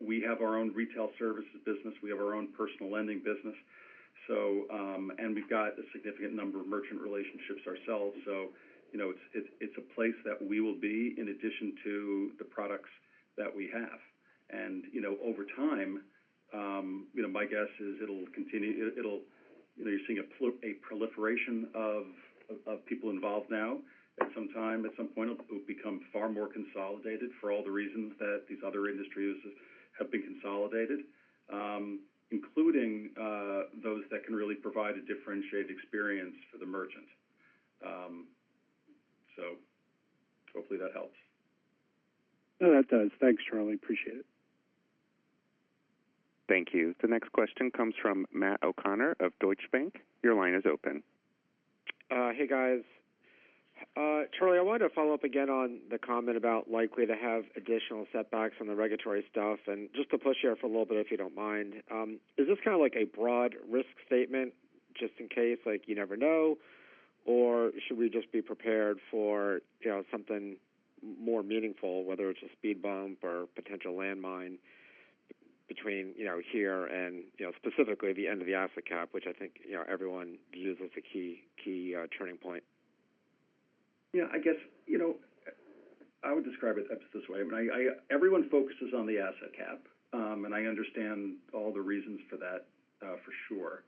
We have our own retail services business. We have our own personal lending business. We've got a significant number of merchant relationships ourselves. It's a place that we will be in addition to the products that we have. Over time, my guess is you're seeing a proliferation of people involved now. At some time, at some point, it will become far more consolidated for all the reasons that these other industries have been consolidated, including those that can really provide a differentiated experience for the merchant. Hopefully that helps. No, that does. Thanks, Charlie. Appreciate it. Thank you. The next question comes from Matt O'Connor of Deutsche Bank. Your line is open. Hey, guys. Charlie, I wanted to follow up again on the comment about likely to have additional setbacks on the regulatory stuff, and just to push here for a little bit, if you don't mind. Is this kind of like a broad risk statement just in case, like you never know? Should we just be prepared for something more meaningful, whether it's a speed bump or potential landmine between here and specifically the end of the asset cap, which I think everyone views as the key turning point? Yeah. I would describe it just this way. Everyone focuses on the asset cap, I understand all the reasons for that for sure.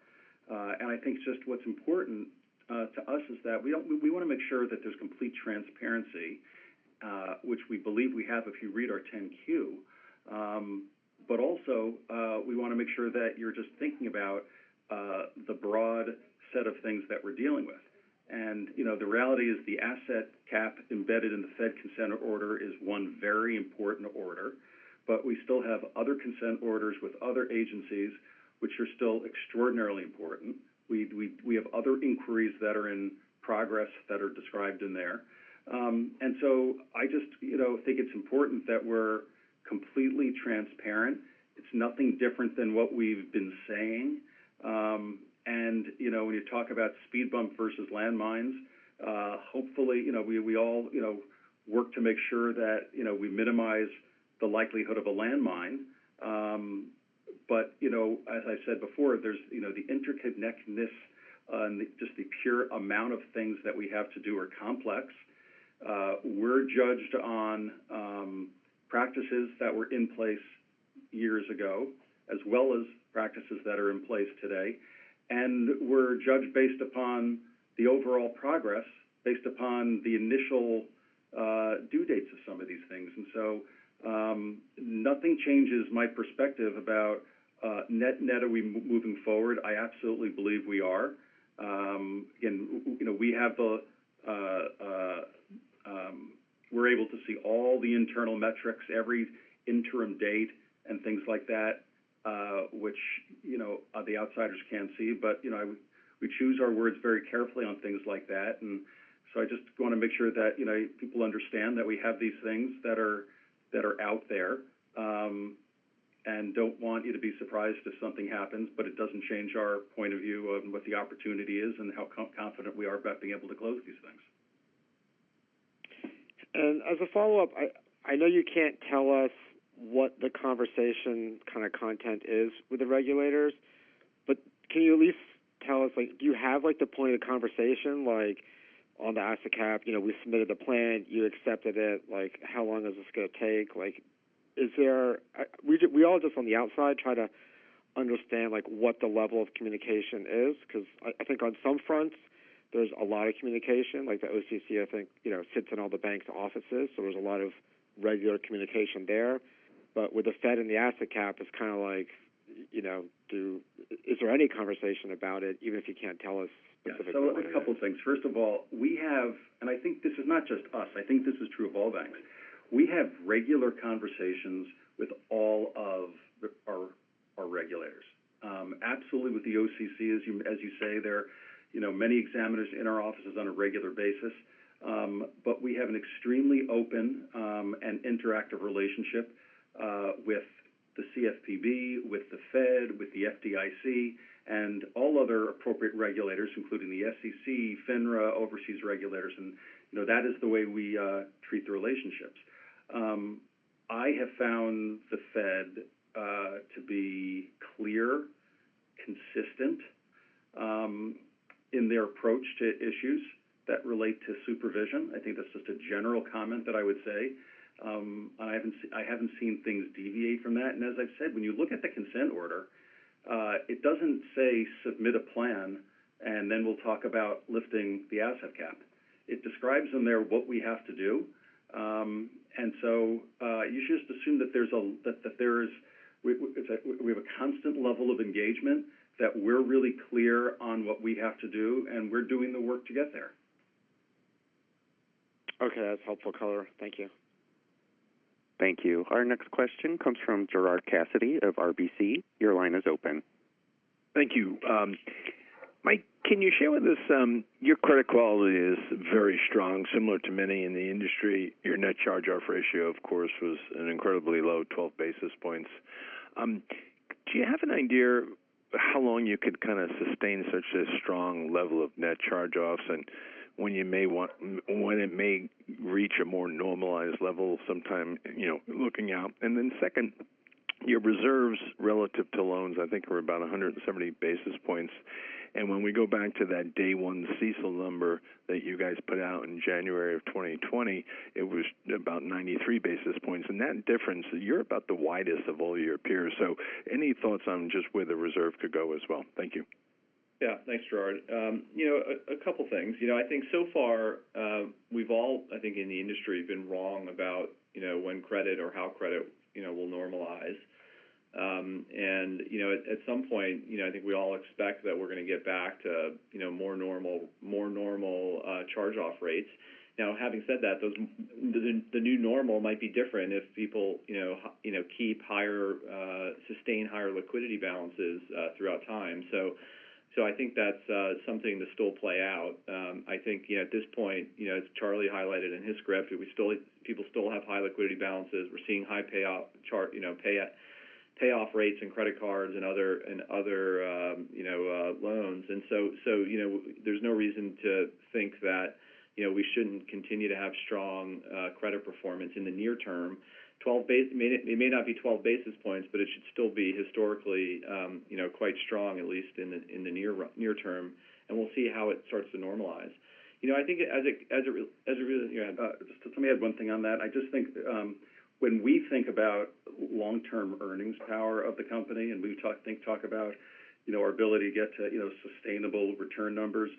I think just what's important to us is that we want to make sure that there's complete transparency, which we believe we have if you read our 10-Q. Also we want to make sure that you're just thinking about the broad set of things that we're dealing with. The reality is the asset cap embedded in the Fed consent order is one very important order, we still have other consent orders with other agencies which are still extraordinarily important. We have other inquiries that are in progress that are described in there. I just think it's important that we're completely transparent. It's nothing different than what we've been saying. When you talk about speed bump versus landmines, hopefully we all work to make sure that we minimize the likelihood of a landmine. As I said before, there's the interconnectedness and just the pure amount of things that we have to do are complex. We're judged on practices that were in place years ago, as well as practices that are in place today, and we're judged based upon the overall progress based upon the initial due dates of some of these things. Nothing changes my perspective about net are we moving forward. I absolutely believe we are. We're able to see all the internal metrics, every interim date, and things like that which the outsiders can't see. We choose our words very carefully on things like that. I just want to make sure that people understand that we have these things that are out there and don't want you to be surprised if something happens. It doesn't change our point of view of what the opportunity is and how confident we are about being able to close these things. As a follow-up, I know you can't tell us what the conversation kind of content is with the regulators, but can you at least tell us, do you have the point of conversation on the asset cap? We submitted a plan. You accepted it. How long is this going to take? We all just on the outside try to understand what the level of communication is because I think on some fronts there's a lot of communication. Like the OCC, I think, sits in all the banks' offices, so there's a lot of regular communication there. With the Fed and the asset cap, it's kind of like is there any conversation about it, even if you can't tell us specifically? A couple things. First of all, we have, and I think this is not just us, I think this is true of all banks. We have regular conversations with all of our regulators. Absolutely with the OCC, as you say, there are many examiners in our offices on a regular basis. We have an extremely open and interactive relationship with the CFPB, with the Fed, with the FDIC, and all other appropriate regulators, including the SEC, FINRA, overseas regulators, and that is the way we treat the relationships. I have found the Fed to be clear, consistent in their approach to issues that relate to supervision. I think that's just a general comment that I would say. I haven't seen things deviate from that. As I've said, when you look at the consent order, it doesn't say submit a plan and then we'll talk about lifting the asset cap. It describes in there what we have to do. You should just assume that we have a constant level of engagement, that we're really clear on what we have to do, and we're doing the work to get there. Okay. That's helpful color. Thank you. Thank you. Our next question comes from Gerard Cassidy of RBC. Your line is open. Thank you. Mike, can you share with us, your credit quality is very strong, similar to many in the industry. Your net charge-off ratio, of course, was an incredibly low 12 basis points. Do you have an idea how long you could sustain such a strong level of net charge-offs, and when it may reach a more normalized level sometime, looking out? Second, your reserves relative to loans, I think were about 170 basis points. When we go back to that day one CECL number that you guys put out in January of 2020, it was about 93 basis points. That difference, you're about the widest of all your peers. Any thoughts on just where the reserve could go as well? Thank you. Thanks, Gerard. A couple things. I think so far, we've all, I think in the industry, been wrong about when credit or how credit will normalize. At some point, I think we all expect that we're going to get back to more normal charge-off rates. Now, having said that, the new normal might be different if people sustain higher liquidity balances throughout time. I think that's something to still play out. I think at this point, as Charlie highlighted in his script, people still have high liquidity balances. We're seeing high payoff rates in credit cards and other loans. There's no reason to think that we shouldn't continue to have strong credit performance in the near term. It may not be 12 basis points, but it should still be historically quite strong, at least in the near term, and we'll see how it starts to normalize. Let me add one thing on that. I just think when we think about long-term earnings power of the company, and we talk about our ability to get to sustainable return numbers,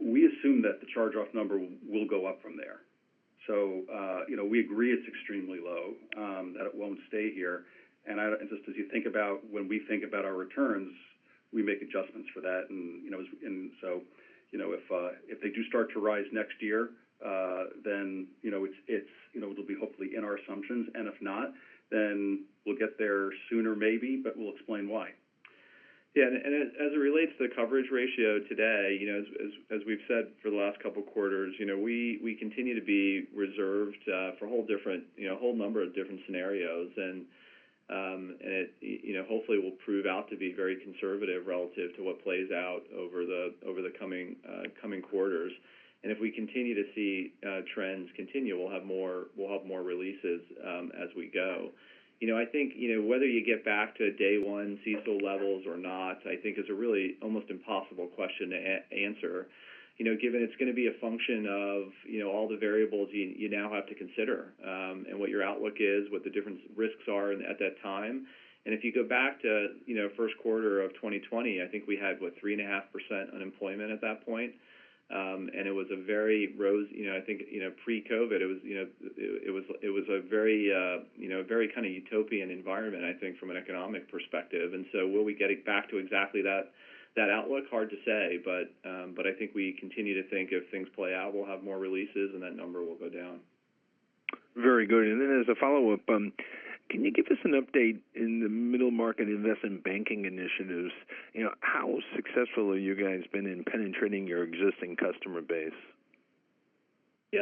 we assume that the charge-off number will go up from there. We agree it's extremely low, that it won't stay here. Just as you think about when we think about our returns, we make adjustments for that. If they do start to rise next year, it'll be hopefully in our assumptions. If not, we'll get there sooner maybe, but we'll explain why. Yeah. As it relates to the coverage ratio today, as we've said for the last couple of quarters, we continue to be reserved for a whole number of different scenarios. It hopefully will prove out to be very conservative relative to what plays out over the coming quarters. If we continue to see trends continue, we'll have more releases as we go. I think whether you get back to day one CECL levels or not, I think is a really almost impossible question to answer. Given it's going to be a function of all the variables you now have to consider, and what your outlook is, what the different risks are at that time. If you go back to first quarter of 2020, I think we had, what, 3.5% unemployment at that point. I think pre-COVID, it was a very kind of utopian environment, I think, from an economic perspective. Will we get back to exactly that outlook? Hard to say, but I think we continue to think if things play out, we'll have more releases, and that number will go down. Very good. As a follow-up, can you give us an update in the middle market investment banking initiatives? How successful have you guys been in penetrating your existing customer base? We've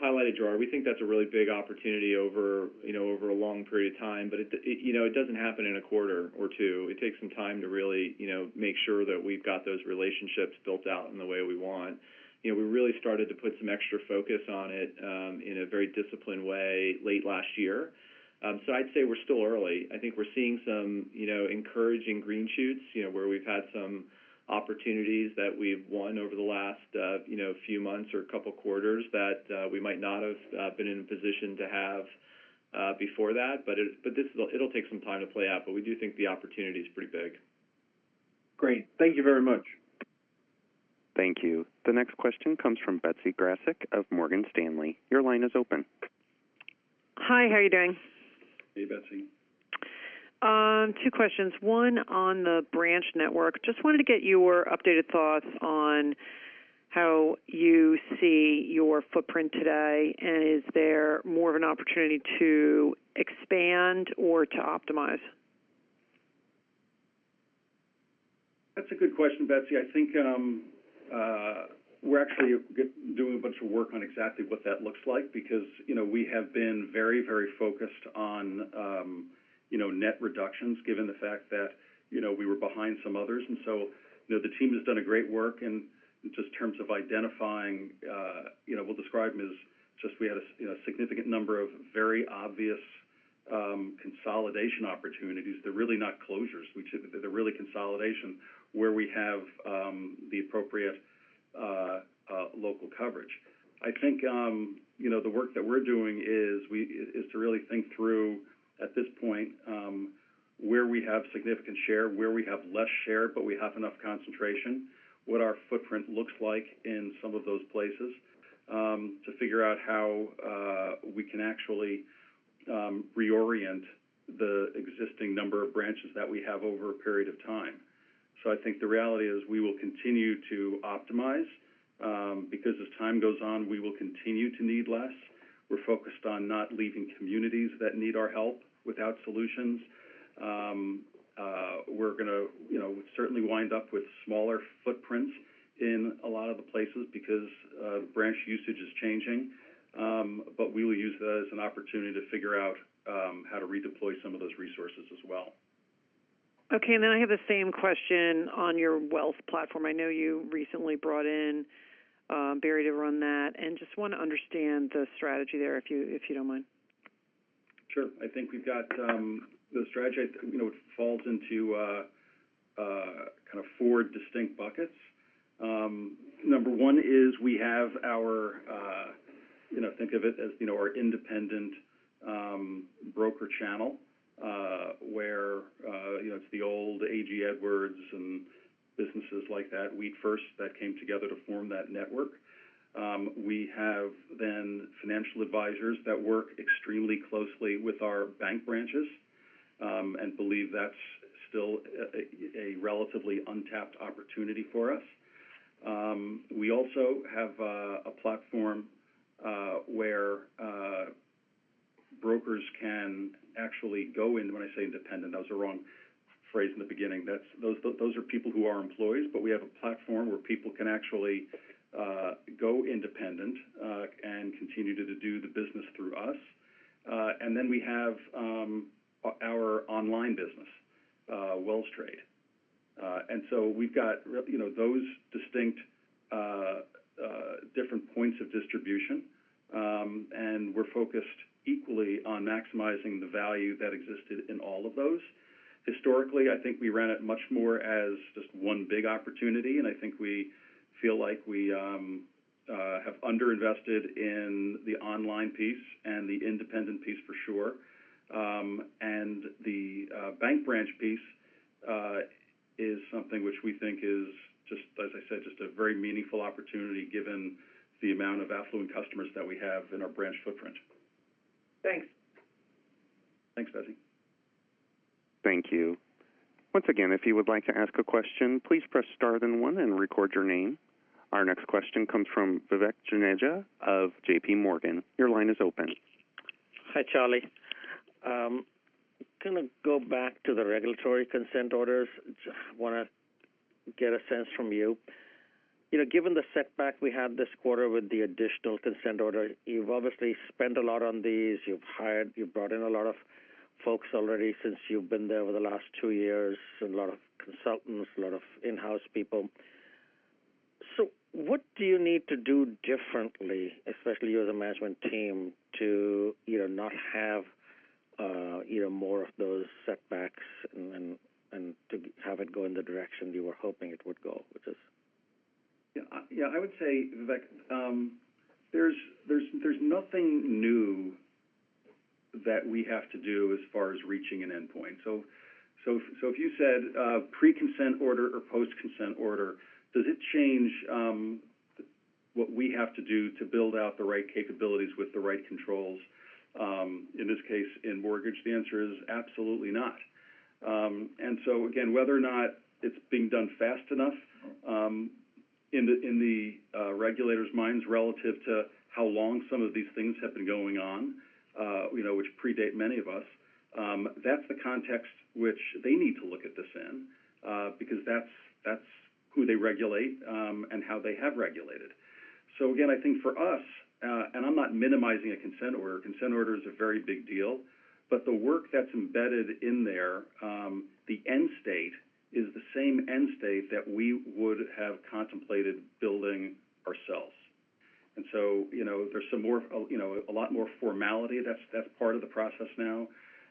highlighted, Gerard, we think that's a really big opportunity over a long period of time. It doesn't happen in a quarter or two. It takes some time to really make sure that we've got those relationships built out in the way we want. We really started to put some extra focus on it in a very disciplined way late last year. I'd say we're still early. I think we're seeing some encouraging green shoots, where we've had some opportunities that we've won over the last few months or couple quarters that we might not have been in a position to have before that. It'll take some time to play out, but we do think the opportunity's pretty big. Great. Thank you very much. Thank you. The next question comes from Betsy Graseck of Morgan Stanley. Your line is open. Hi, how are you doing? Hey, Betsy. Two questions. One on the branch network. Just wanted to get your updated thoughts on how you see your footprint today, and is there more of an opportunity to expand or to optimize? That's a good question, Betsy. I think we're actually doing a bunch of work on exactly what that looks like because we have been very focused on. net reductions given the fact that we were behind some others. The team has done great work in terms of identifying, we will describe them as we had a significant number of very obvious consolidation opportunities. They are really not closures. They are really consolidation where we have the appropriate local coverage. I think the work that we are doing is to really think through, at this point, where we have significant share, where we have less share, but we have enough concentration, what our footprint looks like in some of those places to figure out how we can actually reorient the existing number of branches that we have over a period of time. I think the reality is we will continue to optimize because as time goes on, we will continue to need less. We are focused on not leaving communities that need our help without solutions. We're going to certainly wind up with smaller footprints in a lot of the places because branch usage is changing. We will use that as an opportunity to figure out how to redeploy some of those resources as well. Okay. I have the same question on your wealth platform. I know you recently brought in Barry to run that, and just want to understand the strategy there if you don't mind. Sure. I think we've got the strategy. It falls into kind of four distinct buckets. Number 1 is we have our, think of it as our independent broker channel, where it's the old A.G. Edwards and businesses like that, Wheat First, that came together to form that network. Financial advisors that work extremely closely with our bank branches and believe that's still a relatively untapped opportunity for us. We also have a platform where brokers can actually go in. When I say independent, that was a wrong phrase in the beginning. Those are people who are employees. We have a platform where people can actually go independent and continue to do the business through us. We have our online business, WellsTrade. We've got those distinct different points of distribution, and we're focused equally on maximizing the value that existed in all of those. Historically, I think we ran it much more as just one big opportunity. I think we feel like we have under-invested in the online piece and the independent piece for sure. The bank branch piece is something which we think is just, as I said, just a very meaningful opportunity given the amount of affluent customers that we have in our branch footprint. Thanks. Thanks, Betsy Graseck. Thank you. Once again, if you would like to ask a question, please press star then one and record your name. Our next question comes from Vivek Juneja of JP Morgan. Your line is open. Hi, Charlie. Go back to the regulatory consent orders. I want to get a sense from you. Given the setback we had this quarter with the additional consent order, you've obviously spent a lot on these. You've hired, you've brought in a lot of folks already since you've been there over the last two years, a lot of consultants, a lot of in-house people. What do you need to do differently, especially you as a management team, to not have more of those setbacks and to have it go in the direction you were hoping it would go? Yeah. I would say, Vivek, there's nothing new that we have to do as far as reaching an endpoint. If you said pre-consent order or post-consent order, does it change what we have to do to build out the right capabilities with the right controls? In this case, in mortgage, the answer is absolutely not. Again, whether or not it's being done fast enough in the regulators' minds relative to how long some of these things have been going on which predate many of us, that's the context which they need to look at this in because that's who they regulate and how they have regulated. Again, I think for us, and I'm not minimizing a consent order. A consent order is a very big deal, but the work that's embedded in there, the end state is the same end state that we would have contemplated building ourselves. There's a lot more formality that's part of the process now.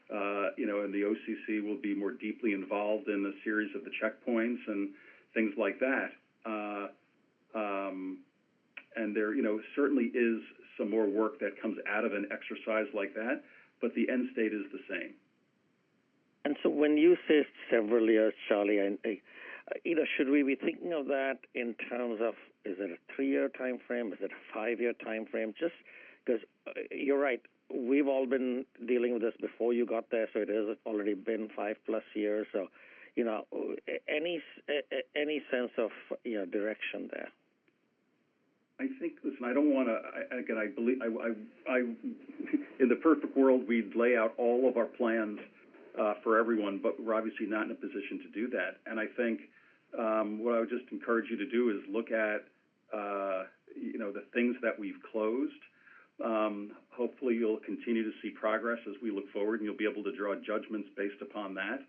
The OCC will be more deeply involved in the series of the checkpoints and things like that. There certainly is some more work that comes out of an exercise like that, but the end state is the same. When you say several years, Charlie, should we be thinking of that in terms of, is it a three-year time frame? Is it a five-year time frame? Just because you're right, we've all been dealing with this before you got there, so it has already been five plus years. Any sense of direction there? I think, listen, in the perfect world, we'd lay out all of our plans for everyone, but we're obviously not in a position to do that. I think what I would just encourage you to do is look at the things that we've closed. Hopefully you'll continue to see progress as we look forward, and you'll be able to draw judgments based upon that.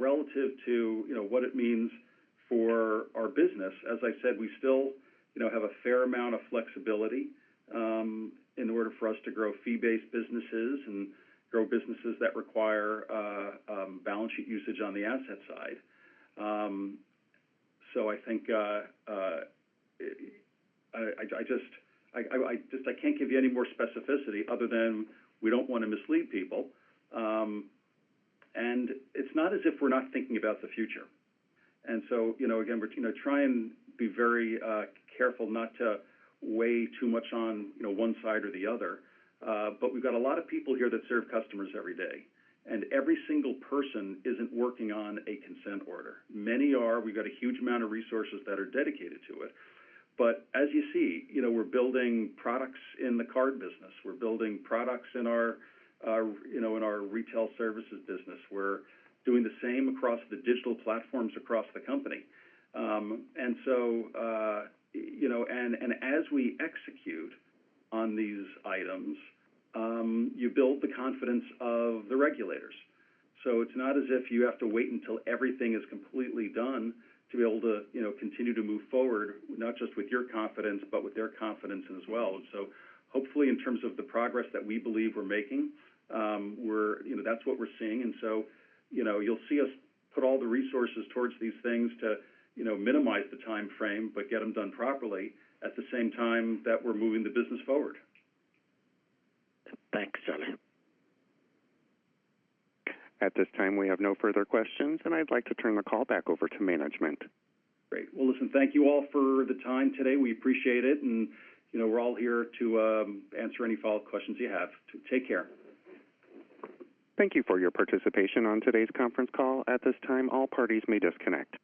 Relative to what it means for our business, as I said, we still have a fair amount of flexibility in order for us to grow fee-based businesses and grow businesses that require balance sheet usage on the asset side. I think I can't give you any more specificity other than we don't want to mislead people. It's not as if we're not thinking about the future. Again, Gerard Cassidy, try and be very careful not to weigh too much on one side or the other. We've got a lot of people here that serve customers every day. Every single person isn't working on a consent order. Many are. We've got a huge amount of resources that are dedicated to it. As you see, we're building products in the card business. We're building products in our retail services business. We're doing the same across the digital platforms across the company. As we execute on these items, you build the confidence of the regulators. It's not as if you have to wait until everything is completely done to be able to continue to move forward, not just with your confidence, but with their confidence as well. Hopefully, in terms of the progress that we believe we're making, that's what we're seeing. You'll see us put all the resources towards these things to minimize the time frame, but get them done properly at the same time that we're moving the business forward. Thanks, uncertain. At this time, we have no further questions. I'd like to turn the call back over to management. Great. Well, listen, thank you all for the time today. We appreciate it, and we're all here to answer any follow-up questions you have. Take care. Thank you for your participation on today's conference call. At this time, all parties may disconnect.